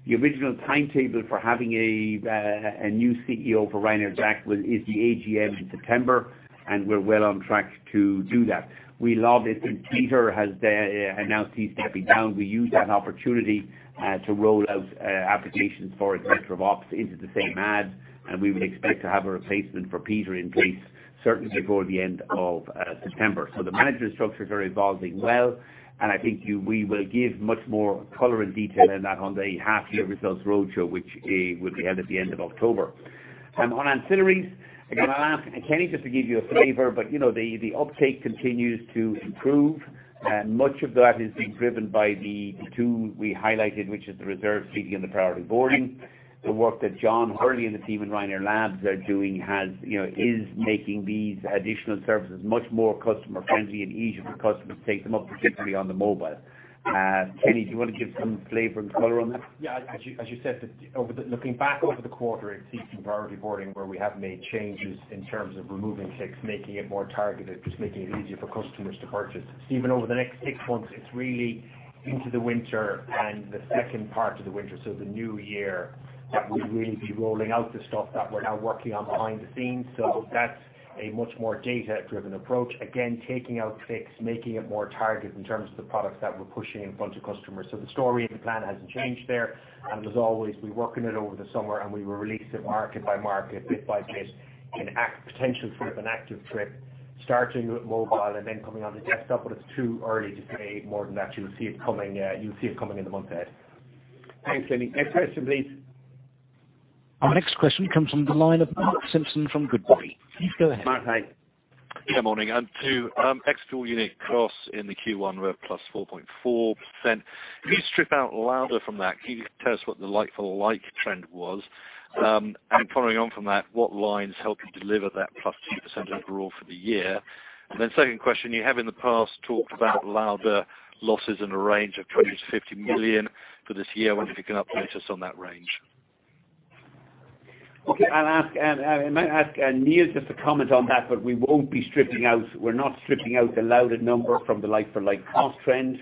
The original timetable for having a new CEO for Ryanair DAC is the AGM in September, and we're well on track to do that. We plan it, and Peter has announced he's stepping down. We used that opportunity to roll out applications for executive ops into the same ad. We would expect to have a replacement for Peter in place certainly before the end of September. The management structures are evolving well. I think we will give much more color and detail in that on the half-year results roadshow, which will be held at the end of October. On ancillaries, again, I'll ask Kenny just to give you a flavor, but the uptake continues to improve. Much of that is being driven by the two we highlighted, which is the reserved seating and the priority boarding. The work that John Hurley and the team in Ryanair Labs are doing is making these additional services much more customer-friendly and easier for customers to take them up, particularly on the mobile. Kenny, do you want to give some flavor and color on that? Yeah. As you said, looking back over the quarter, it's the priority boarding where we have made changes in terms of removing ticks, making it more targeted, just making it easier for customers to purchase. Stephen, over the next six months, it's really into the winter and the second part of the winter, so the new year, that we'll really be rolling out the stuff that we're now working on behind the scenes. That's a much more data-driven approach. Again, taking out clicks, making it more targeted in terms of the products that we're pushing in front of customers. The story and the plan hasn't changed there. As always, we're working it over the summer, and we will release it market by market, bit by bit, in actual active trip. Starting with mobile and then coming onto desktop, but it's too early to say more than that. You'll see it coming in the months ahead. Thanks, Kenny. Next question, please. Our next question comes from the line of Mark Simpson from Goodbody. Please go ahead. Mark, hi. Good morning. Ex-fuel unit costs in the Q1 were +4.4%. If you strip out Lauda from that, can you tell us what the like-for-like trend was? Following on from that, what lines help you deliver that +2% overall for the year? Second question, you have in the past talked about Lauda losses in a range of 20 million-50 million for this year. I wonder if you can update us on that range. Okay. I might ask Neil just to comment on that. We're not stripping out the Lauda number from the like-for-like cost trend.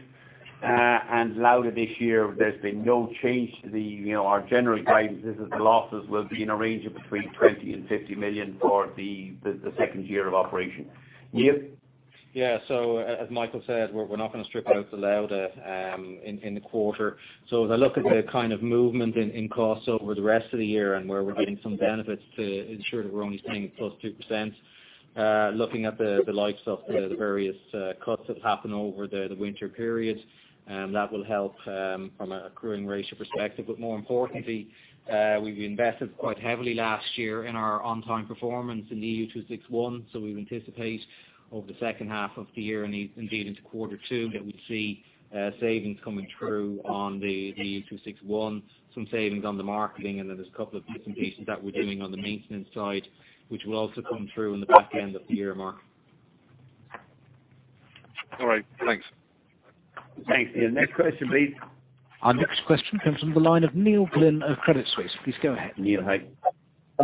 Lauda this year, there's been no change to our general guidance. The losses will be in a range of between 20 million and 50 million for the second year of operation. Neil? Yeah. As Michael said, we're not going to strip out the Lauda in the quarter. The look at the kind of movement in costs over the rest of the year and where we're getting some benefits to ensure that we're only spending plus 2%. Looking at the likes of the various cuts that have happened over the winter period, that will help from a accruing ratio perspective. More importantly, we've invested quite heavily last year in our on-time performance in the EU261. We would anticipate over the second half of the year and indeed into quarter two, that we'd see savings coming through on the EU261. Some savings on the marketing, and then there's a couple of different pieces that we're doing on the maintenance side, which will also come through in the back end of the year, Mark. All right, thanks. Thanks, Neil. Next question, please. Our next question comes from the line of Neil Glynn of Credit Suisse. Please go ahead. Neil, hi.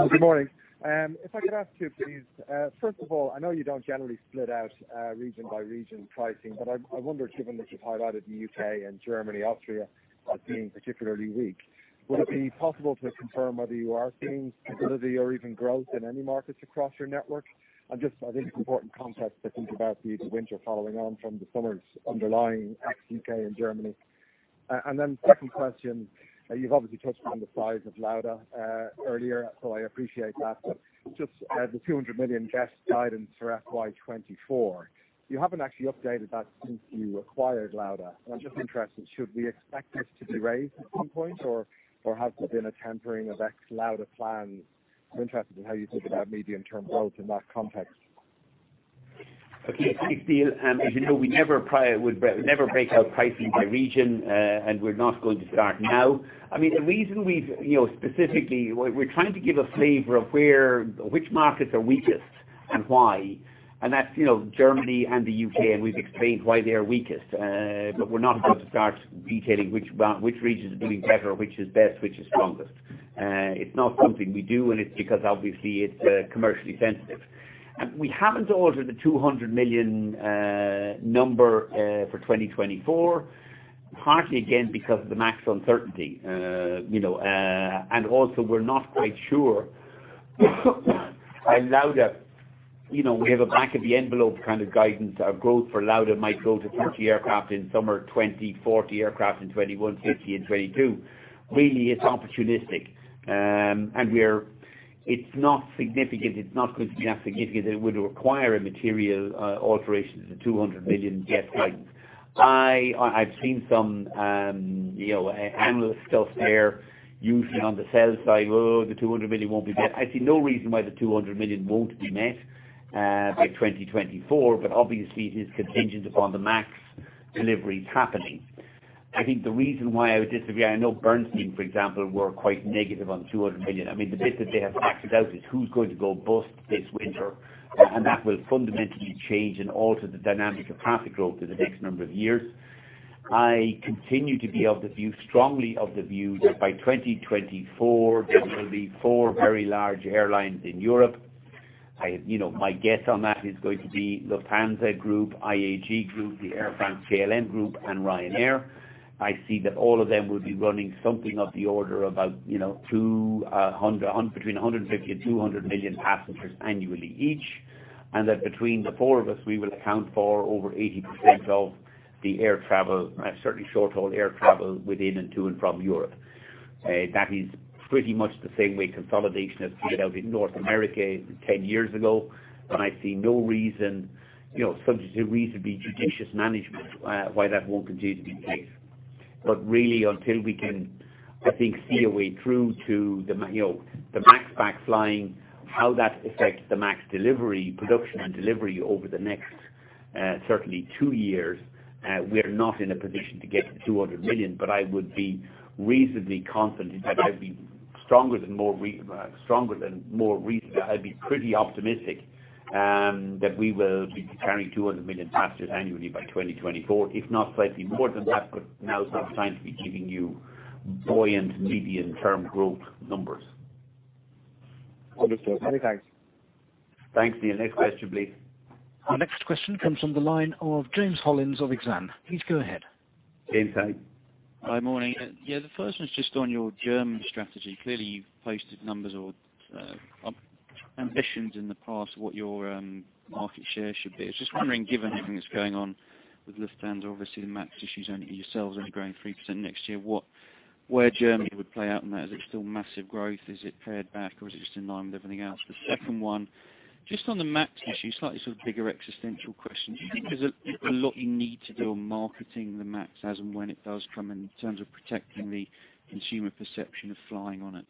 Good morning. If I could ask two, please. I know you don't generally split out region-by-region pricing, but I wonder, given that you've highlighted the U.K. and Germany, Austria as being particularly weak, would it be possible to confirm whether you are seeing stability or even growth in any markets across your network? I think it's important context about the winter following on from the summer's underlying ex-U.K. and Germany. Second question, you've obviously touched upon the size of Lauda earlier, so I appreciate that. The 200 million guest guidance for FY 2024, you haven't actually updated that since you acquired Lauda. I'm just interested, should we expect this to be raised at some point, or has there been a tempering of ex-Lauda plans? I'm interested in how you think about medium-term growth in that context. Okay. Thanks, Neil. As you know, we never break out pricing by region, and we're not going to start now. The reason we're trying to give a flavor of which markets are weakest and why, and that's Germany and the U.K., and we've explained why they are weakest. We're not going to start detailing which region is doing better or which is best, which is strongest. It's not something we do, and it's because obviously it's commercially sensitive. We haven't altered the 200 million number for 2024, partly again, because of the MAX uncertainty. Also we're not quite sure as Lauda, we have a back of the envelope kind of guidance of growth for Lauda might grow to 20 aircraft in summer 2020, 40 aircraft in 2021, 50 in 2022. Really, it's opportunistic. It's not going to be that significant that it would require a material alteration to the 200 million guest guidance. I've seen some analyst stuff there, usually on the sell side. The 200 million won't be met. I see no reason why the 200 million won't be met by 2024. Obviously it is contingent upon the MAX deliveries happening. I think the reason why I would disagree, I know Bernstein, for example, were quite negative on 200 million. The bit that they have factored out is who's going to go bust this winter? That will fundamentally change and alter the dynamic of traffic growth in the next number of years. I continue to be of the view, strongly of the view, that by 2024 there will be four very large airlines in Europe. My guess on that is going to be Lufthansa Group, IAG Group, the Air France-KLM Group, and Ryanair. I see that all of them will be running something of the order about between 150 million-200 million passengers annually each. That between the four of us, we will account for over 80% of the air travel, certainly short-haul air travel within and to and from Europe. That is pretty much the same way consolidation has played out in North America 10 years ago. I see no reason, subject to reasonably judicious management, why that won't continue to be the case. Really until we can, I think see a way through to the MAX back flying, how that affects the MAX production and delivery over the next certainly two years, we're not in a position to get to 200 million. I would be reasonably confident, in fact I'd be pretty optimistic, that we will be carrying 200 million passengers annually by 2024, if not slightly more than that. Now is not the time to be giving you buoyant medium-term growth numbers. Understood. Many thanks. Thanks, Neil. Next question, please. Our next question comes from the line of James Hollins of Exane. Please go ahead. James, hi. Hi. Morning. The first one's just on your German strategy. Clearly, you've posted numbers or ambitions in the past what your market share should be. I was just wondering, given everything that's going on with Lufthansa, obviously the MAX issues, and yourselves only growing 3% next year. Where Germany would play out in that. Is it still massive growth? Is it pared back, or is it just in line with everything else? The second one, just on the MAX issue, slightly bigger existential question. Do you think there's a lot you need to do on marketing the MAX as and when it does come in terms of protecting the consumer perception of flying on it?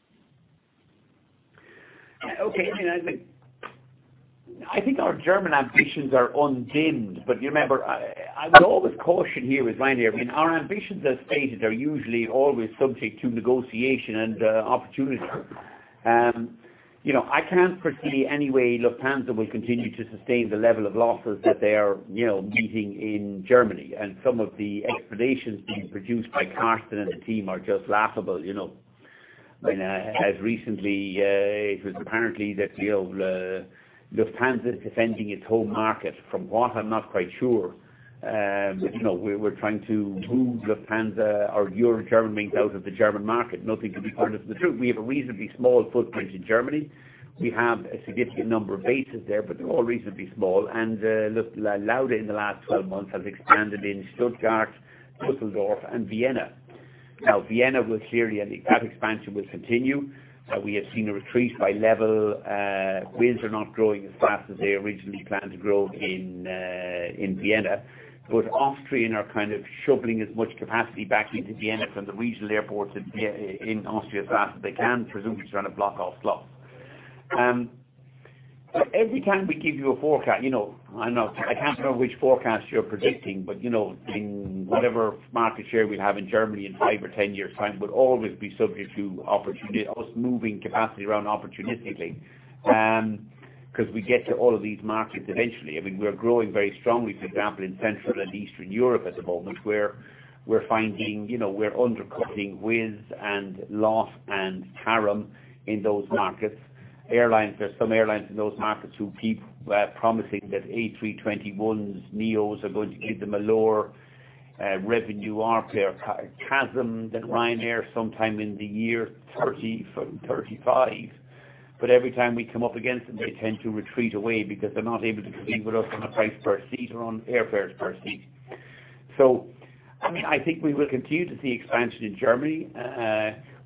Okay. I think our German ambitions are undimmed, but remember, I will always caution here with Ryanair. Our ambitions, as stated, are usually always subject to negotiation and opportunity. I can't foresee any way Lufthansa will continue to sustain the level of losses that they are meeting in Germany. Some of the explanations being produced by Carsten and the team are just laughable. It was apparently that Lufthansa is defending its home market. From what, I'm not quite sure. We're trying to move Lufthansa or Eurowings out of the German market. Nothing could be further from the truth. We have a reasonably small footprint in Germany. We have a significant number of bases there, but they're all reasonably small. Lauda in the last 12 months has expanded in Stuttgart, Düsseldorf, and Vienna. Now, Vienna will clearly, and that expansion will continue. We have seen a retreat by LEVEL. Wizz are not growing as fast as they originally planned to grow in Vienna, but Austrian are shoveling as much capacity back into Vienna from the regional airports in Austria as fast as they can, presumably to try to block off slots. Every time we give you a forecast, I can't remember which forecast you're predicting, but in whatever market share we'll have in Germany in five or 10 years' time will always be subject to us moving capacity around opportunistically, because we get to all of these markets eventually. We're growing very strongly, for example, in Central and Eastern Europe at the moment, where we're finding we're undercutting Wizz and LOT and TAROM in those markets. There are some airlines in those markets who keep promising that A321neos are going to give them a lower revenue or play a CASM than Ryanair sometime in the year 2030 or 2035. Every time we come up against them, they tend to retreat away because they are not able to compete with us on a price per seat or on airfares per seat. I think we will continue to see expansion in Germany.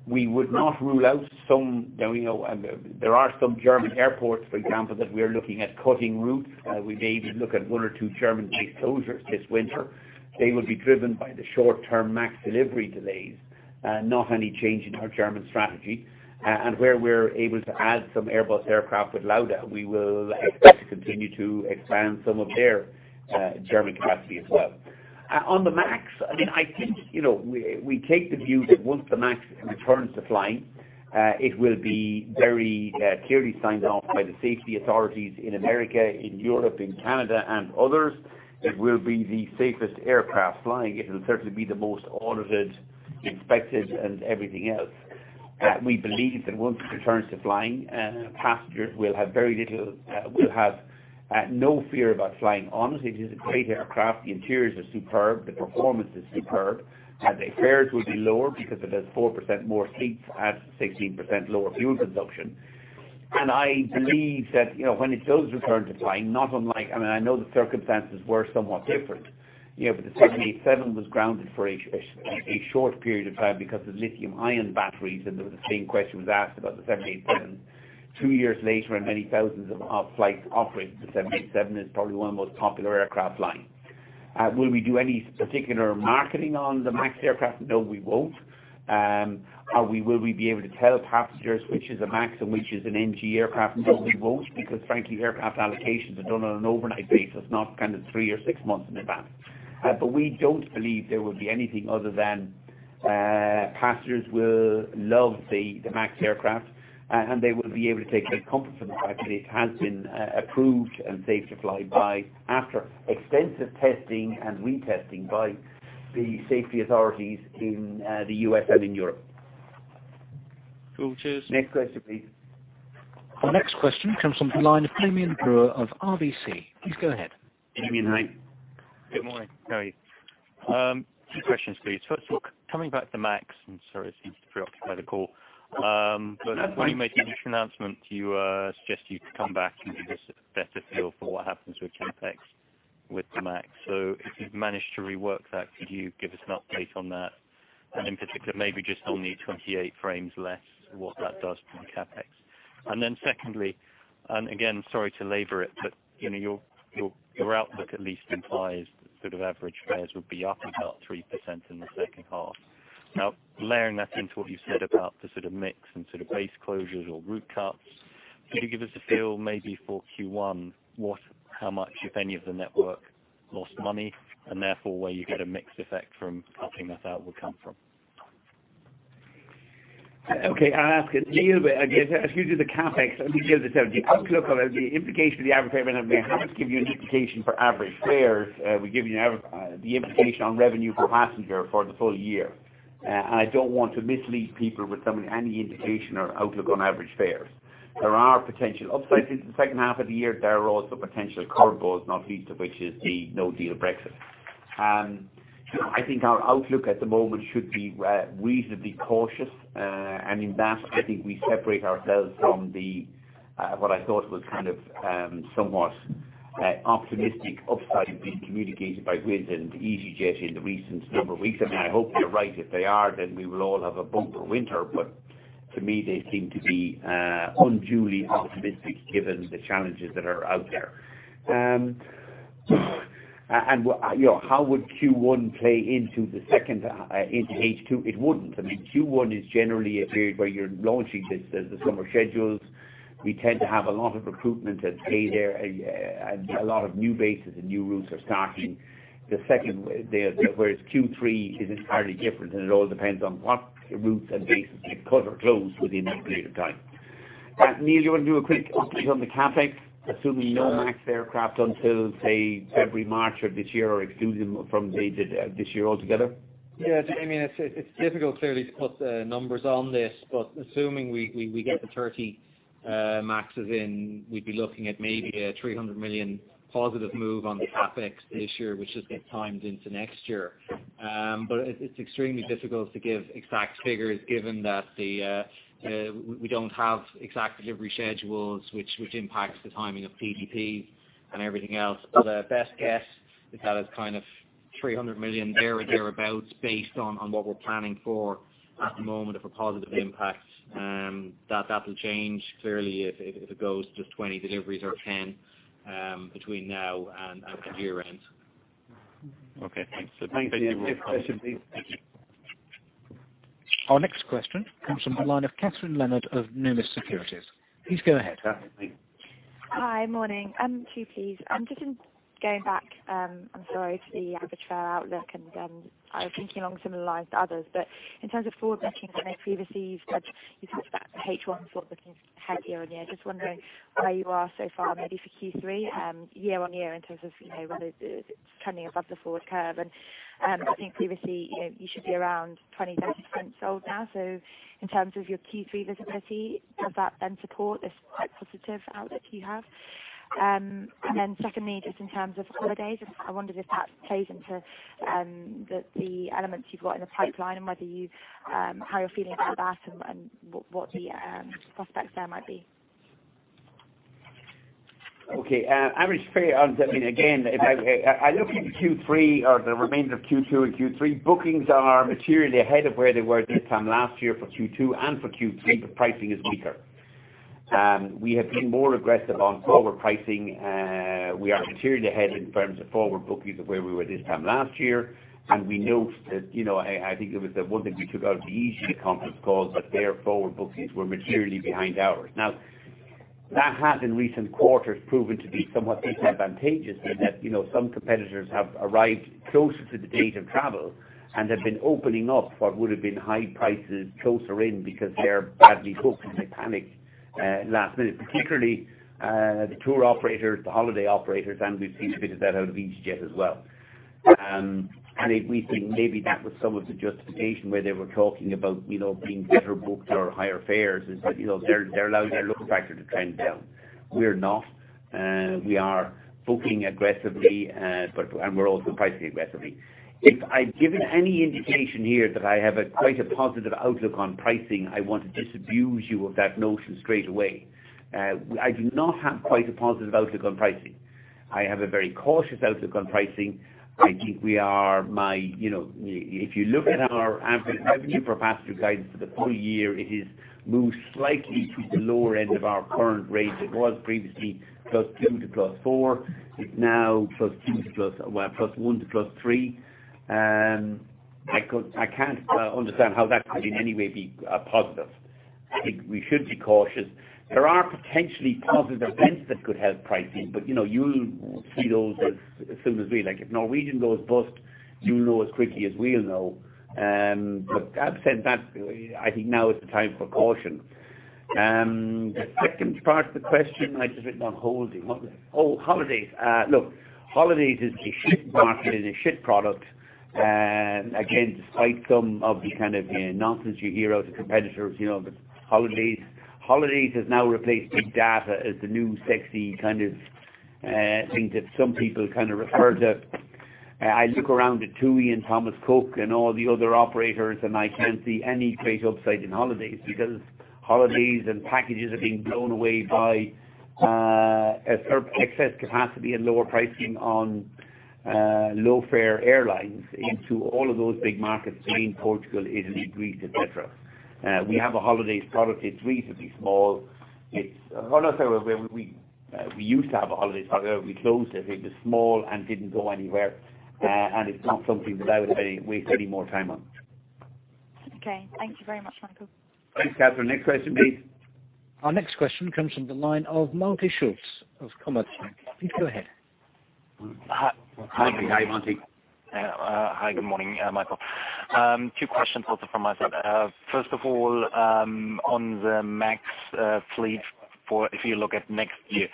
We would not rule out some. There are some German airports, for example, that we are looking at cutting routes. We may even look at one or two German base closures this winter. They will be driven by the short-term MAX delivery delays, not any change in our German strategy. Where we're able to add some Airbus aircraft with Lauda, we will expect to continue to expand some of their German capacity as well. On the MAX, I think we take the view that once the MAX returns to flying, it will be very clearly signed off by the safety authorities in America, in Europe, in Canada and others. It will be the safest aircraft flying. It will certainly be the most audited, inspected, and everything else. We believe that once it returns to flying, passengers will have no fear about flying on it. It is a great aircraft. The interiors are superb. The performance is superb. The fares will be lower because it has 4% more seats at 16% lower fuel consumption. I believe that when it does return to flying, not unlike, I know the circumstances were somewhat different. The 787 was grounded for a short period of time because of lithium-ion batteries, and the same question was asked about the 787. Two years later and many thousands of flights operating, the 787 is probably one of the most popular aircraft flying. Will we do any particular marketing on the MAX aircraft? No, we won't. Will we be able to tell passengers which is a MAX and which is an NG aircraft? No, we won't, because frankly, aircraft allocations are done on an overnight basis, not three or six months in advance. We don't believe there will be anything other than passengers will love the MAX aircraft, and they will be able to take great comfort from the fact that it has been approved and safe to fly after extensive testing and retesting by the safety authorities in the U.S. and in Europe. Cool. Cheers. Next question, please. Our next question comes from the line of Damian Brewer of RBC. Please go ahead. Damian, hi. Good morning. How are you? Two questions, please. First of all, coming back to MAX, sorry, it seems to preoccupy the call. When you made the initial announcement, you suggested you'd come back and give us a better feel for what happens with CapEx with the MAX. If you've managed to rework that, could you give us an update on that? In particular, maybe just on the 28 frames less, what that does for your CapEx. Secondly, again, sorry to labor it, your outlook at least implies that average fares would be up about 3% in the second half. Layering that into what you said about the mix and base closures or route cuts, could you give us a feel maybe for Q1, how much, if any, of the network lost money, and therefore, where you get a mix effect from helping us out will come from? Okay. I'll ask it. Excuse me, the CapEx. Let me give this. The outlook or the implication for the average fare, we haven't given you an indication for average fares. We've given you the implication on revenue per passenger for the full year. I don't want to mislead people with any indication or outlook on average fares. There are potential upsides in the second half of the year. There are also potential curveballs, not least of which is the no-deal Brexit. I think our outlook at the moment should be reasonably cautious. In that, I think we separate ourselves from what I thought was kind of somewhat optimistic upside being communicated by Wizz and easyJet in the recent number of weeks. I hope they're right. If they are, then we will all have a bumper winter. To me, they seem to be unduly optimistic given the challenges that are out there. How would Q1 play into H2? It wouldn't. Q1 is generally a period where you're launching the summer schedules. We tend to have a lot of recruitment that's made there, and a lot of new bases and new routes are starting. Q3 is entirely different, and it all depends on what routes and bases get cut or closed within that period of time. Neil, you want to do a quick update on the CapEx, assuming no MAX aircraft until, say, February, March of this year, or exclude them from this year altogether? It's difficult, clearly, to put numbers on this, assuming we get the 30 MAXes in, we'd be looking at maybe a 300 million positive move on the CapEx this year, which just gets timed into next year. It's extremely difficult to give exact figures given that we don't have exact delivery schedules, which impacts the timing of PDP and everything else. A best guess is that is 300 million, there or thereabouts, based on what we're planning for at the moment of a positive impact. That'll change, clearly, if it goes to 20 deliveries or 10 between now and the year end. Okay, thanks. Thank you. Next question, please. Our next question comes from the line of Kathryn Leonard of Numis Securities. Please go ahead. Kathryn, please. Hi. Morning. Two, please. Just in going back, I'm sorry, to the average fare outlook, I was thinking along similar lines to others, but in terms of forward booking, I know previously you touched that H1 sort of looking healthier year on year. Just wondering where you are so far, maybe for Q3, year on year in terms of whether it's trending above the forward curve. I think previously, you should be around 20%, 30% sold now. In terms of your Q3 visibility, does that then support this quite positive outlook you have? Secondly, just in terms of holidays, I wondered if that plays into the elements you've got in the pipeline and how you're feeling about that and what the prospects there might be. Okay. Average fare, again, if I look in Q3 or the remainder of Q2 and Q3, bookings are materially ahead of where they were this time last year for Q2 and for Q3, but pricing is weaker. We have been more aggressive on forward pricing. We are materially ahead in terms of forward bookings of where we were this time last year, and we note that, I think it was the one thing we took out of the easyJet conference call, that their forward bookings were materially behind ours. That has in recent quarters proven to be somewhat disadvantageous in that some competitors have arrived closer to the date of travel and have been opening up what would have been high prices closer in because they're badly booked and they panic last minute. Particularly the tour operators, the holiday operators. We've picked a bit of that out of easyJet as well. We think maybe that was some of the justification where they were talking about being better booked or higher fares, is that they're allowing their load factor to trend down. We're not. We are booking aggressively, and we're also pricing aggressively. If I've given any indication here that I have quite a positive outlook on pricing, I want to disabuse you of that notion straight away. I do not have quite a positive outlook on pricing. I have a very cautious outlook on pricing. If you look at our average revenue per passenger guidance for the full year, it is moved slightly to the lower end of our current range. It was previously +2% to +4%. It's now +1% to +3%. I can't understand how that could in any way be positive. I think we should be cautious. There are potentially positive events that could help pricing, but you'll see those as soon as we. If Norwegian goes bust, you'll know as quickly as we'll know. That said, that I think now is the time for caution. Oh, holidays. Look, holidays is a market and a product. Again, despite some of the kind of nonsense you hear out of competitors, holidays has now replaced big data as the new sexy kind of thing that some people refer to. I look around at TUI and Thomas Cook and all the other operators. I can't see any great upside in holidays because holidays and packages are being blown away by excess capacity and lower pricing on low-fare airlines into all of those big markets, Spain, Portugal, Italy, Greece, et cetera. We have a holidays product. It's reasonably small. We used to have a holidays product. We closed it. It was small and didn't go anywhere. It's not something that I would waste any more time on. Okay. Thank you very much, Michael. Thanks, Kathryn. Next question, please. Our next question comes from the line of Malte Schulz of Commerzbank. Please go ahead. Hi, Malte. Hi, good morning, Michael. Two questions also from my side. First of all, on the MAX fleet, if you look at next year,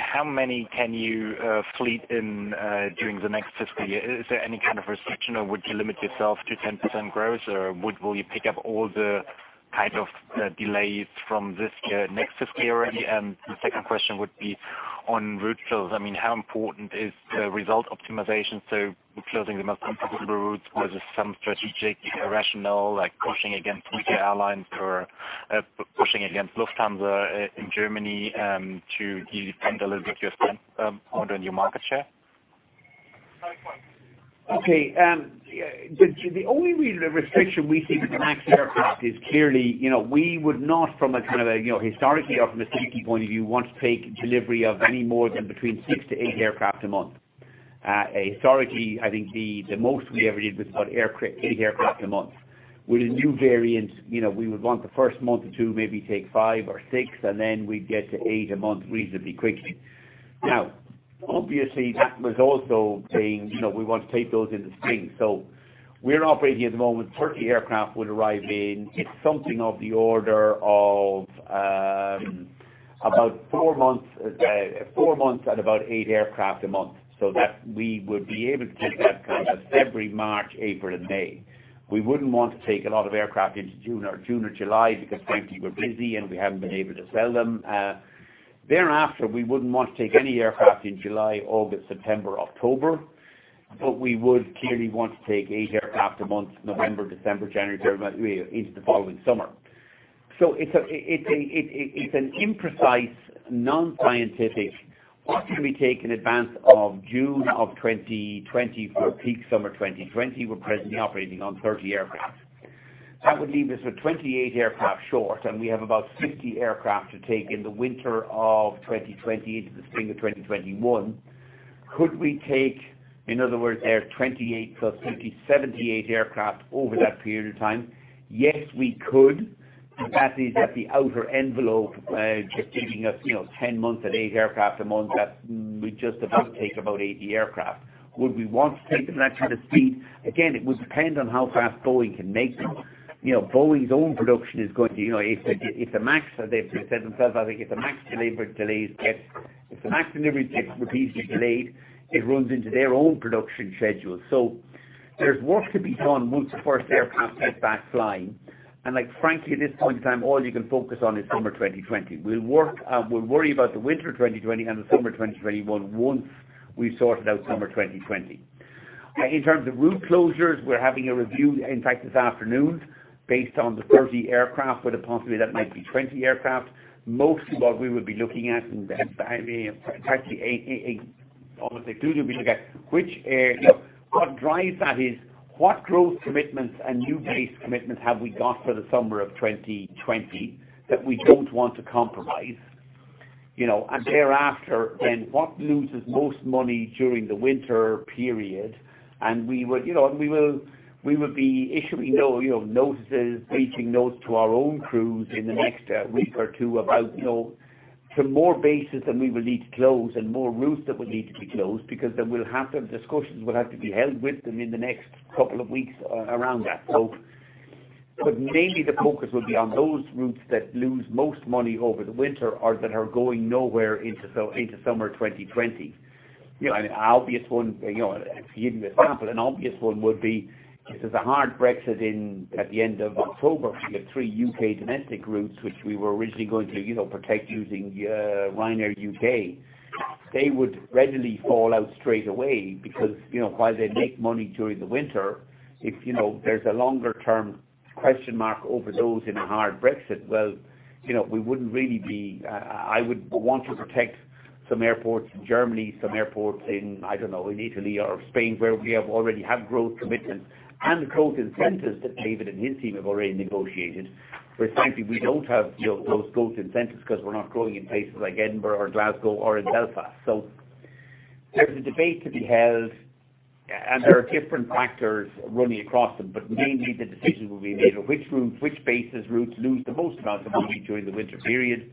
how many can you fleet in during the next fiscal year? Is there any kind of restriction, or would you limit yourself to 10% growth, or will you pick up all the delays from this year, next fiscal year already? The second question would be on route fills. How important is the result optimization? Closing the most unprofitable routes with some strategic rationale, like pushing against U.K. airlines or pushing against Lufthansa in Germany <audio distortion> under a new market share? Okay. The only real restriction we see with the MAX aircraft is clearly, we would not from a historically or from a safety point of view, want to take delivery of any more than between 6-8 aircraft a month. Historically, I think the most we ever did was about 8 aircraft a month. With the new variant, we would want the first month or two, maybe take 5 or 6, and then we'd get to 8 a month reasonably quickly. Obviously, we want to take those in the spring. We're operating at the moment, 30 aircraft would arrive in, it's something of the order of about 4 months at about 8 aircraft a month. That we would be able to take that kind of February, March, April, and May. We wouldn't want to take a lot of aircraft into June or July because frankly, we're busy, and we haven't been able to sell them. Thereafter, we wouldn't want to take any aircraft in July, August, September, October, but we would clearly want to take eight aircraft a month, November, December, January, February into the following summer. It's an imprecise, non-scientific, what can we take in advance of June of 2020 for peak summer 2020, we're presently operating on 30 aircraft. That would leave us with 28 aircraft short, and we have about 50 aircraft to take in the winter of 2020 into the spring of 2021. Could we take, in other words, 28+50, 78 aircraft over that period of time? Yes, we could. That is at the outer envelope, giving us 10 months at eight aircraft a month, that we just about take about 80 aircraft. Would we want to take them at that kind of speed? Again, it would depend on how fast Boeing can make them. They've said themselves, I think if the MAX delivery gets repeatedly delayed, it runs into their own production schedule. There's work to be done once the first aircraft get back flying, and like frankly, at this point in time, all you can focus on is summer 2020. We'll worry about the winter 2020 and the summer 2021 once we've sorted out summer 2020. In terms of route closures, we're having a review, in fact, this afternoon, based on the 30 aircraft, but possibly that might be 20 aircraft. Mostly what we will be looking at, I mean, practically almost exclusively be looking at what drives that is what growth commitments and new base commitments have we got for the summer of 2020 that we don't want to compromise? Thereafter, what loses most money during the winter period? We will be issuing notices, making notes to our own crews in the next week or two about some more bases that we will need to close and more routes that will need to be closed because discussions will have to be held with them in the next couple of weeks around that. Mainly the focus will be on those routes that lose most money over the winter or that are going nowhere into summer 2020. An obvious one, to give you an example, an obvious one would be if there's a hard Brexit at the end of October. We have three U.K. domestic routes which we were originally going to protect using Ryanair UK. They would readily fall out straight away because while they make money during the winter, if there's a longer-term question mark over those in a hard Brexit, well, I would want to protect some airports in Germany, some airports in Italy or Spain, where we have already have growth commitments and growth incentives that David and his team have already negotiated, where frankly, we don't have those growth incentives because we're not growing in places like Edinburgh or Glasgow or in Belfast. There's a debate to be held, and there are different factors running across them, but mainly the decision will be made of which bases, routes lose the most amount of money during the winter period,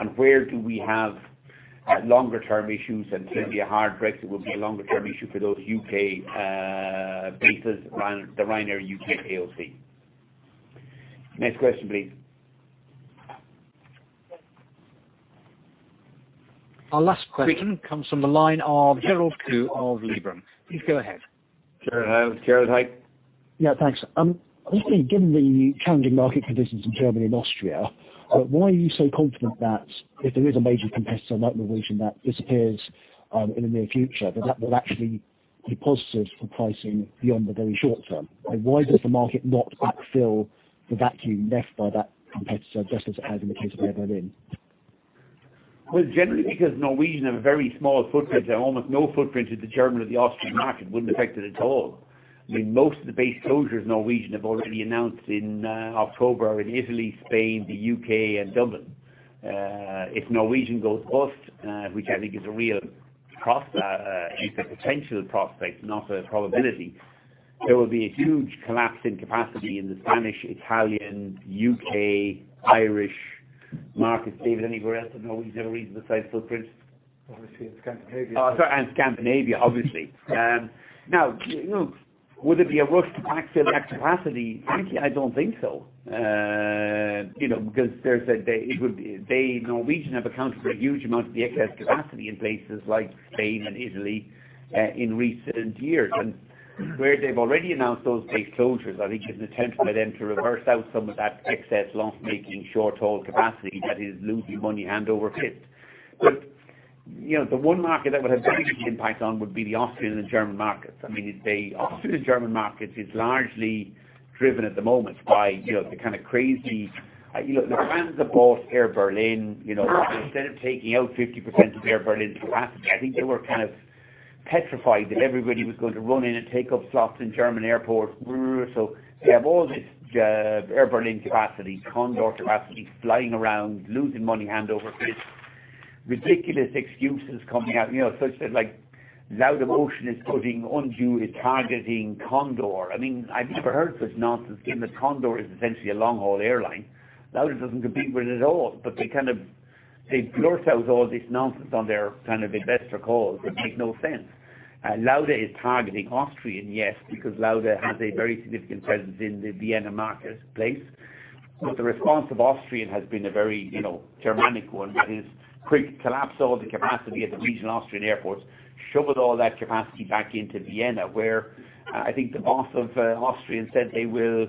and where do we have longer-term issues, and certainly a hard Brexit would be a longer-term issue for those U.K. bases, the Ryanair U.K. PLC. Next question, please. Our last question comes from the line of Gerald Khoo of Liberum. Please go ahead. Gerald, hi. Yeah, thanks. I was thinking, given the challenging market conditions in Germany and Austria, why are you so confident that if there is a major competitor like Norwegian that disappears in the near future, that that will actually be positive for pricing beyond the very short term? Why does the market not backfill the vacuum left by that competitor, just as it has in the case of Air Berlin? Generally because Norwegian have a very small footprint. They have almost no footprint in the German or the Austrian market. It wouldn't affect it at all. Most of the base closures Norwegian have already announced in October are in Italy, Spain, the U.K., and Dublin. If Norwegian goes bust, which I think is a real prospect, it's a potential prospect, not a probability, there will be a huge collapse in capacity in the Spanish, Italian, U.K., Irish markets. David, anywhere else that Norwegian have a reasonable size footprint? Obviously in Scandinavia. Oh, sorry. Scandinavia, obviously. Now, would it be a rush to backfill that capacity? Frankly, I don't think so. Norwegian have accounted for a huge amount of the excess capacity in places like Spain and Italy in recent years. Where they've already announced those base closures, I think there's an attempt by them to reverse out some of that excess loss-making short-haul capacity that is losing money hand over fist. The one market that would have a big impact on would be the Austrian and German markets. The Austrian and German markets is largely driven at the moment by the kind of crazy Lufthansa bought Air Berlin. Instead of taking out 50% of Air Berlin's capacity, I think they were kind of petrified that everybody was going to run in and take up slots in German airports. They have all this Air Berlin capacity, Condor capacity, flying around, losing money hand over fist. Ridiculous excuses coming out, such as like, "Laudamotion is putting undue is targeting Condor." I've never heard such nonsense given that Condor is essentially a long-haul airline. Lauda doesn't compete with it at all, but they blurt out all this nonsense on their investor calls that make no sense. Lauda is targeting Austrian, yes, because Lauda has a very significant presence in the Vienna marketplace. The response of Austrian has been a very Germanic one, which is quick collapse all the capacity at the regional Austrian airports, shoveled all that capacity back into Vienna, where I think the boss of Austrian said they will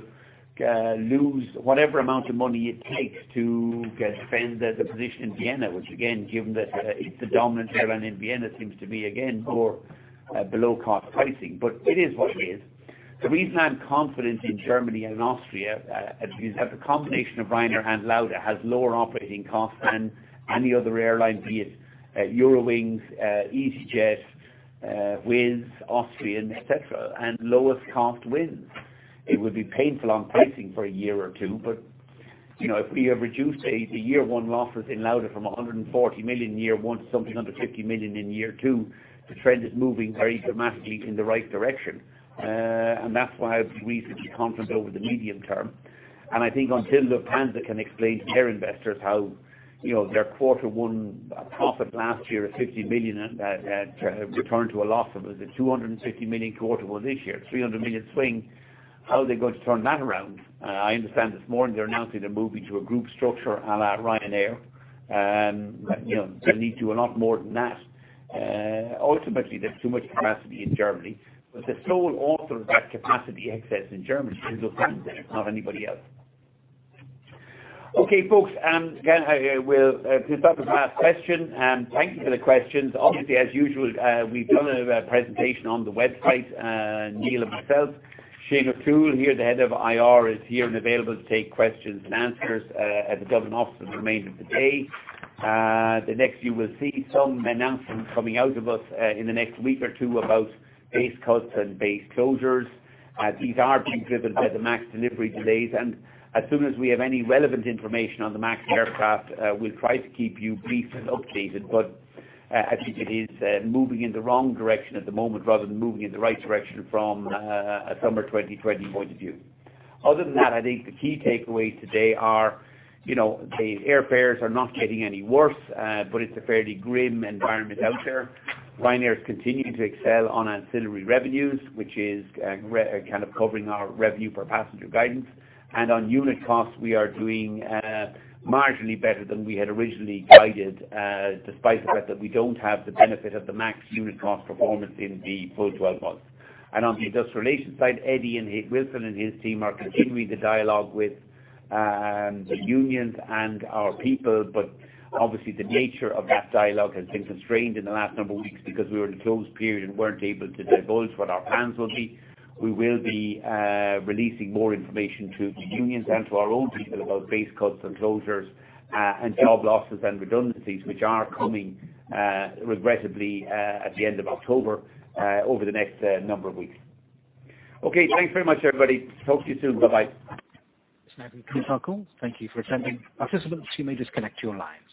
lose whatever amount of money it takes to defend the position in Vienna. Which again, given that it's a dominant airline in Vienna, seems to be, again, more below-cost pricing. It is what it is. The reason I'm confident in Germany and Austria is that the combination of Ryanair and Lauda has lower operating costs than any other airline, be it Eurowings, easyJet, Wizz, Austrian, et cetera, and lowest cost wins. It would be painful on pricing for a year or two, but if we have reduced the year one losses in Lauda from 140 million in year one to something under 50 million in year two, the trend is moving very dramatically in the right direction. That's why I'm reasonably confident over the medium term. I think until Lufthansa can explain to their investors how their quarter one profit last year of 50 million returned to a loss of, was it 250 million quarter one this year? 300 million swing. How are they going to turn that around? I understand this morning they're announcing they're moving to a group structure à la Ryanair. They'll need to do a lot more than that. Ultimately, there's too much capacity in Germany, but the sole author of that capacity excess in Germany is Lufthansa, not anybody else. Okay, folks, again, we'll take a couple of last questions. Thank you for the questions. Obviously, as usual, we've done a presentation on the website, Neil and myself. Shane O'Toole here, the Head of IR, is here and available to take questions and answers at the government office for the remainder of the day. The next you will see some announcements coming out of us in the next week or two about base cuts and base closures. These are being driven by the MAX delivery delays. As soon as we have any relevant information on the MAX aircraft, we'll try to keep you briefed and updated. I think it is moving in the wrong direction at the moment rather than moving in the right direction from a summer 2020 point of view. Other than that, I think the key takeaways today are the airfares are not getting any worse, but it's a fairly grim environment out there. Ryanair is continuing to excel on ancillary revenues, which is kind of covering our revenue per passenger guidance. On unit costs, we are doing marginally better than we had originally guided, despite the fact that we don't have the benefit of the MAX unit cost performance in the full 12 months. On the industrial relations side, Eddie Wilson and his team are continuing the dialogue with the unions and our people. Obviously the nature of that dialogue has been constrained in the last number of weeks because we were in a closed period and weren't able to divulge what our plans will be. We will be releasing more information to the unions and to our own people about base cuts and closures, and job losses and redundancies, which are coming, regrettably, at the end of October, over the next number of weeks. Okay, thanks very much, everybody. Talk to you soon. Bye-bye. Thank you for attending. Participants, you may disconnect your lines.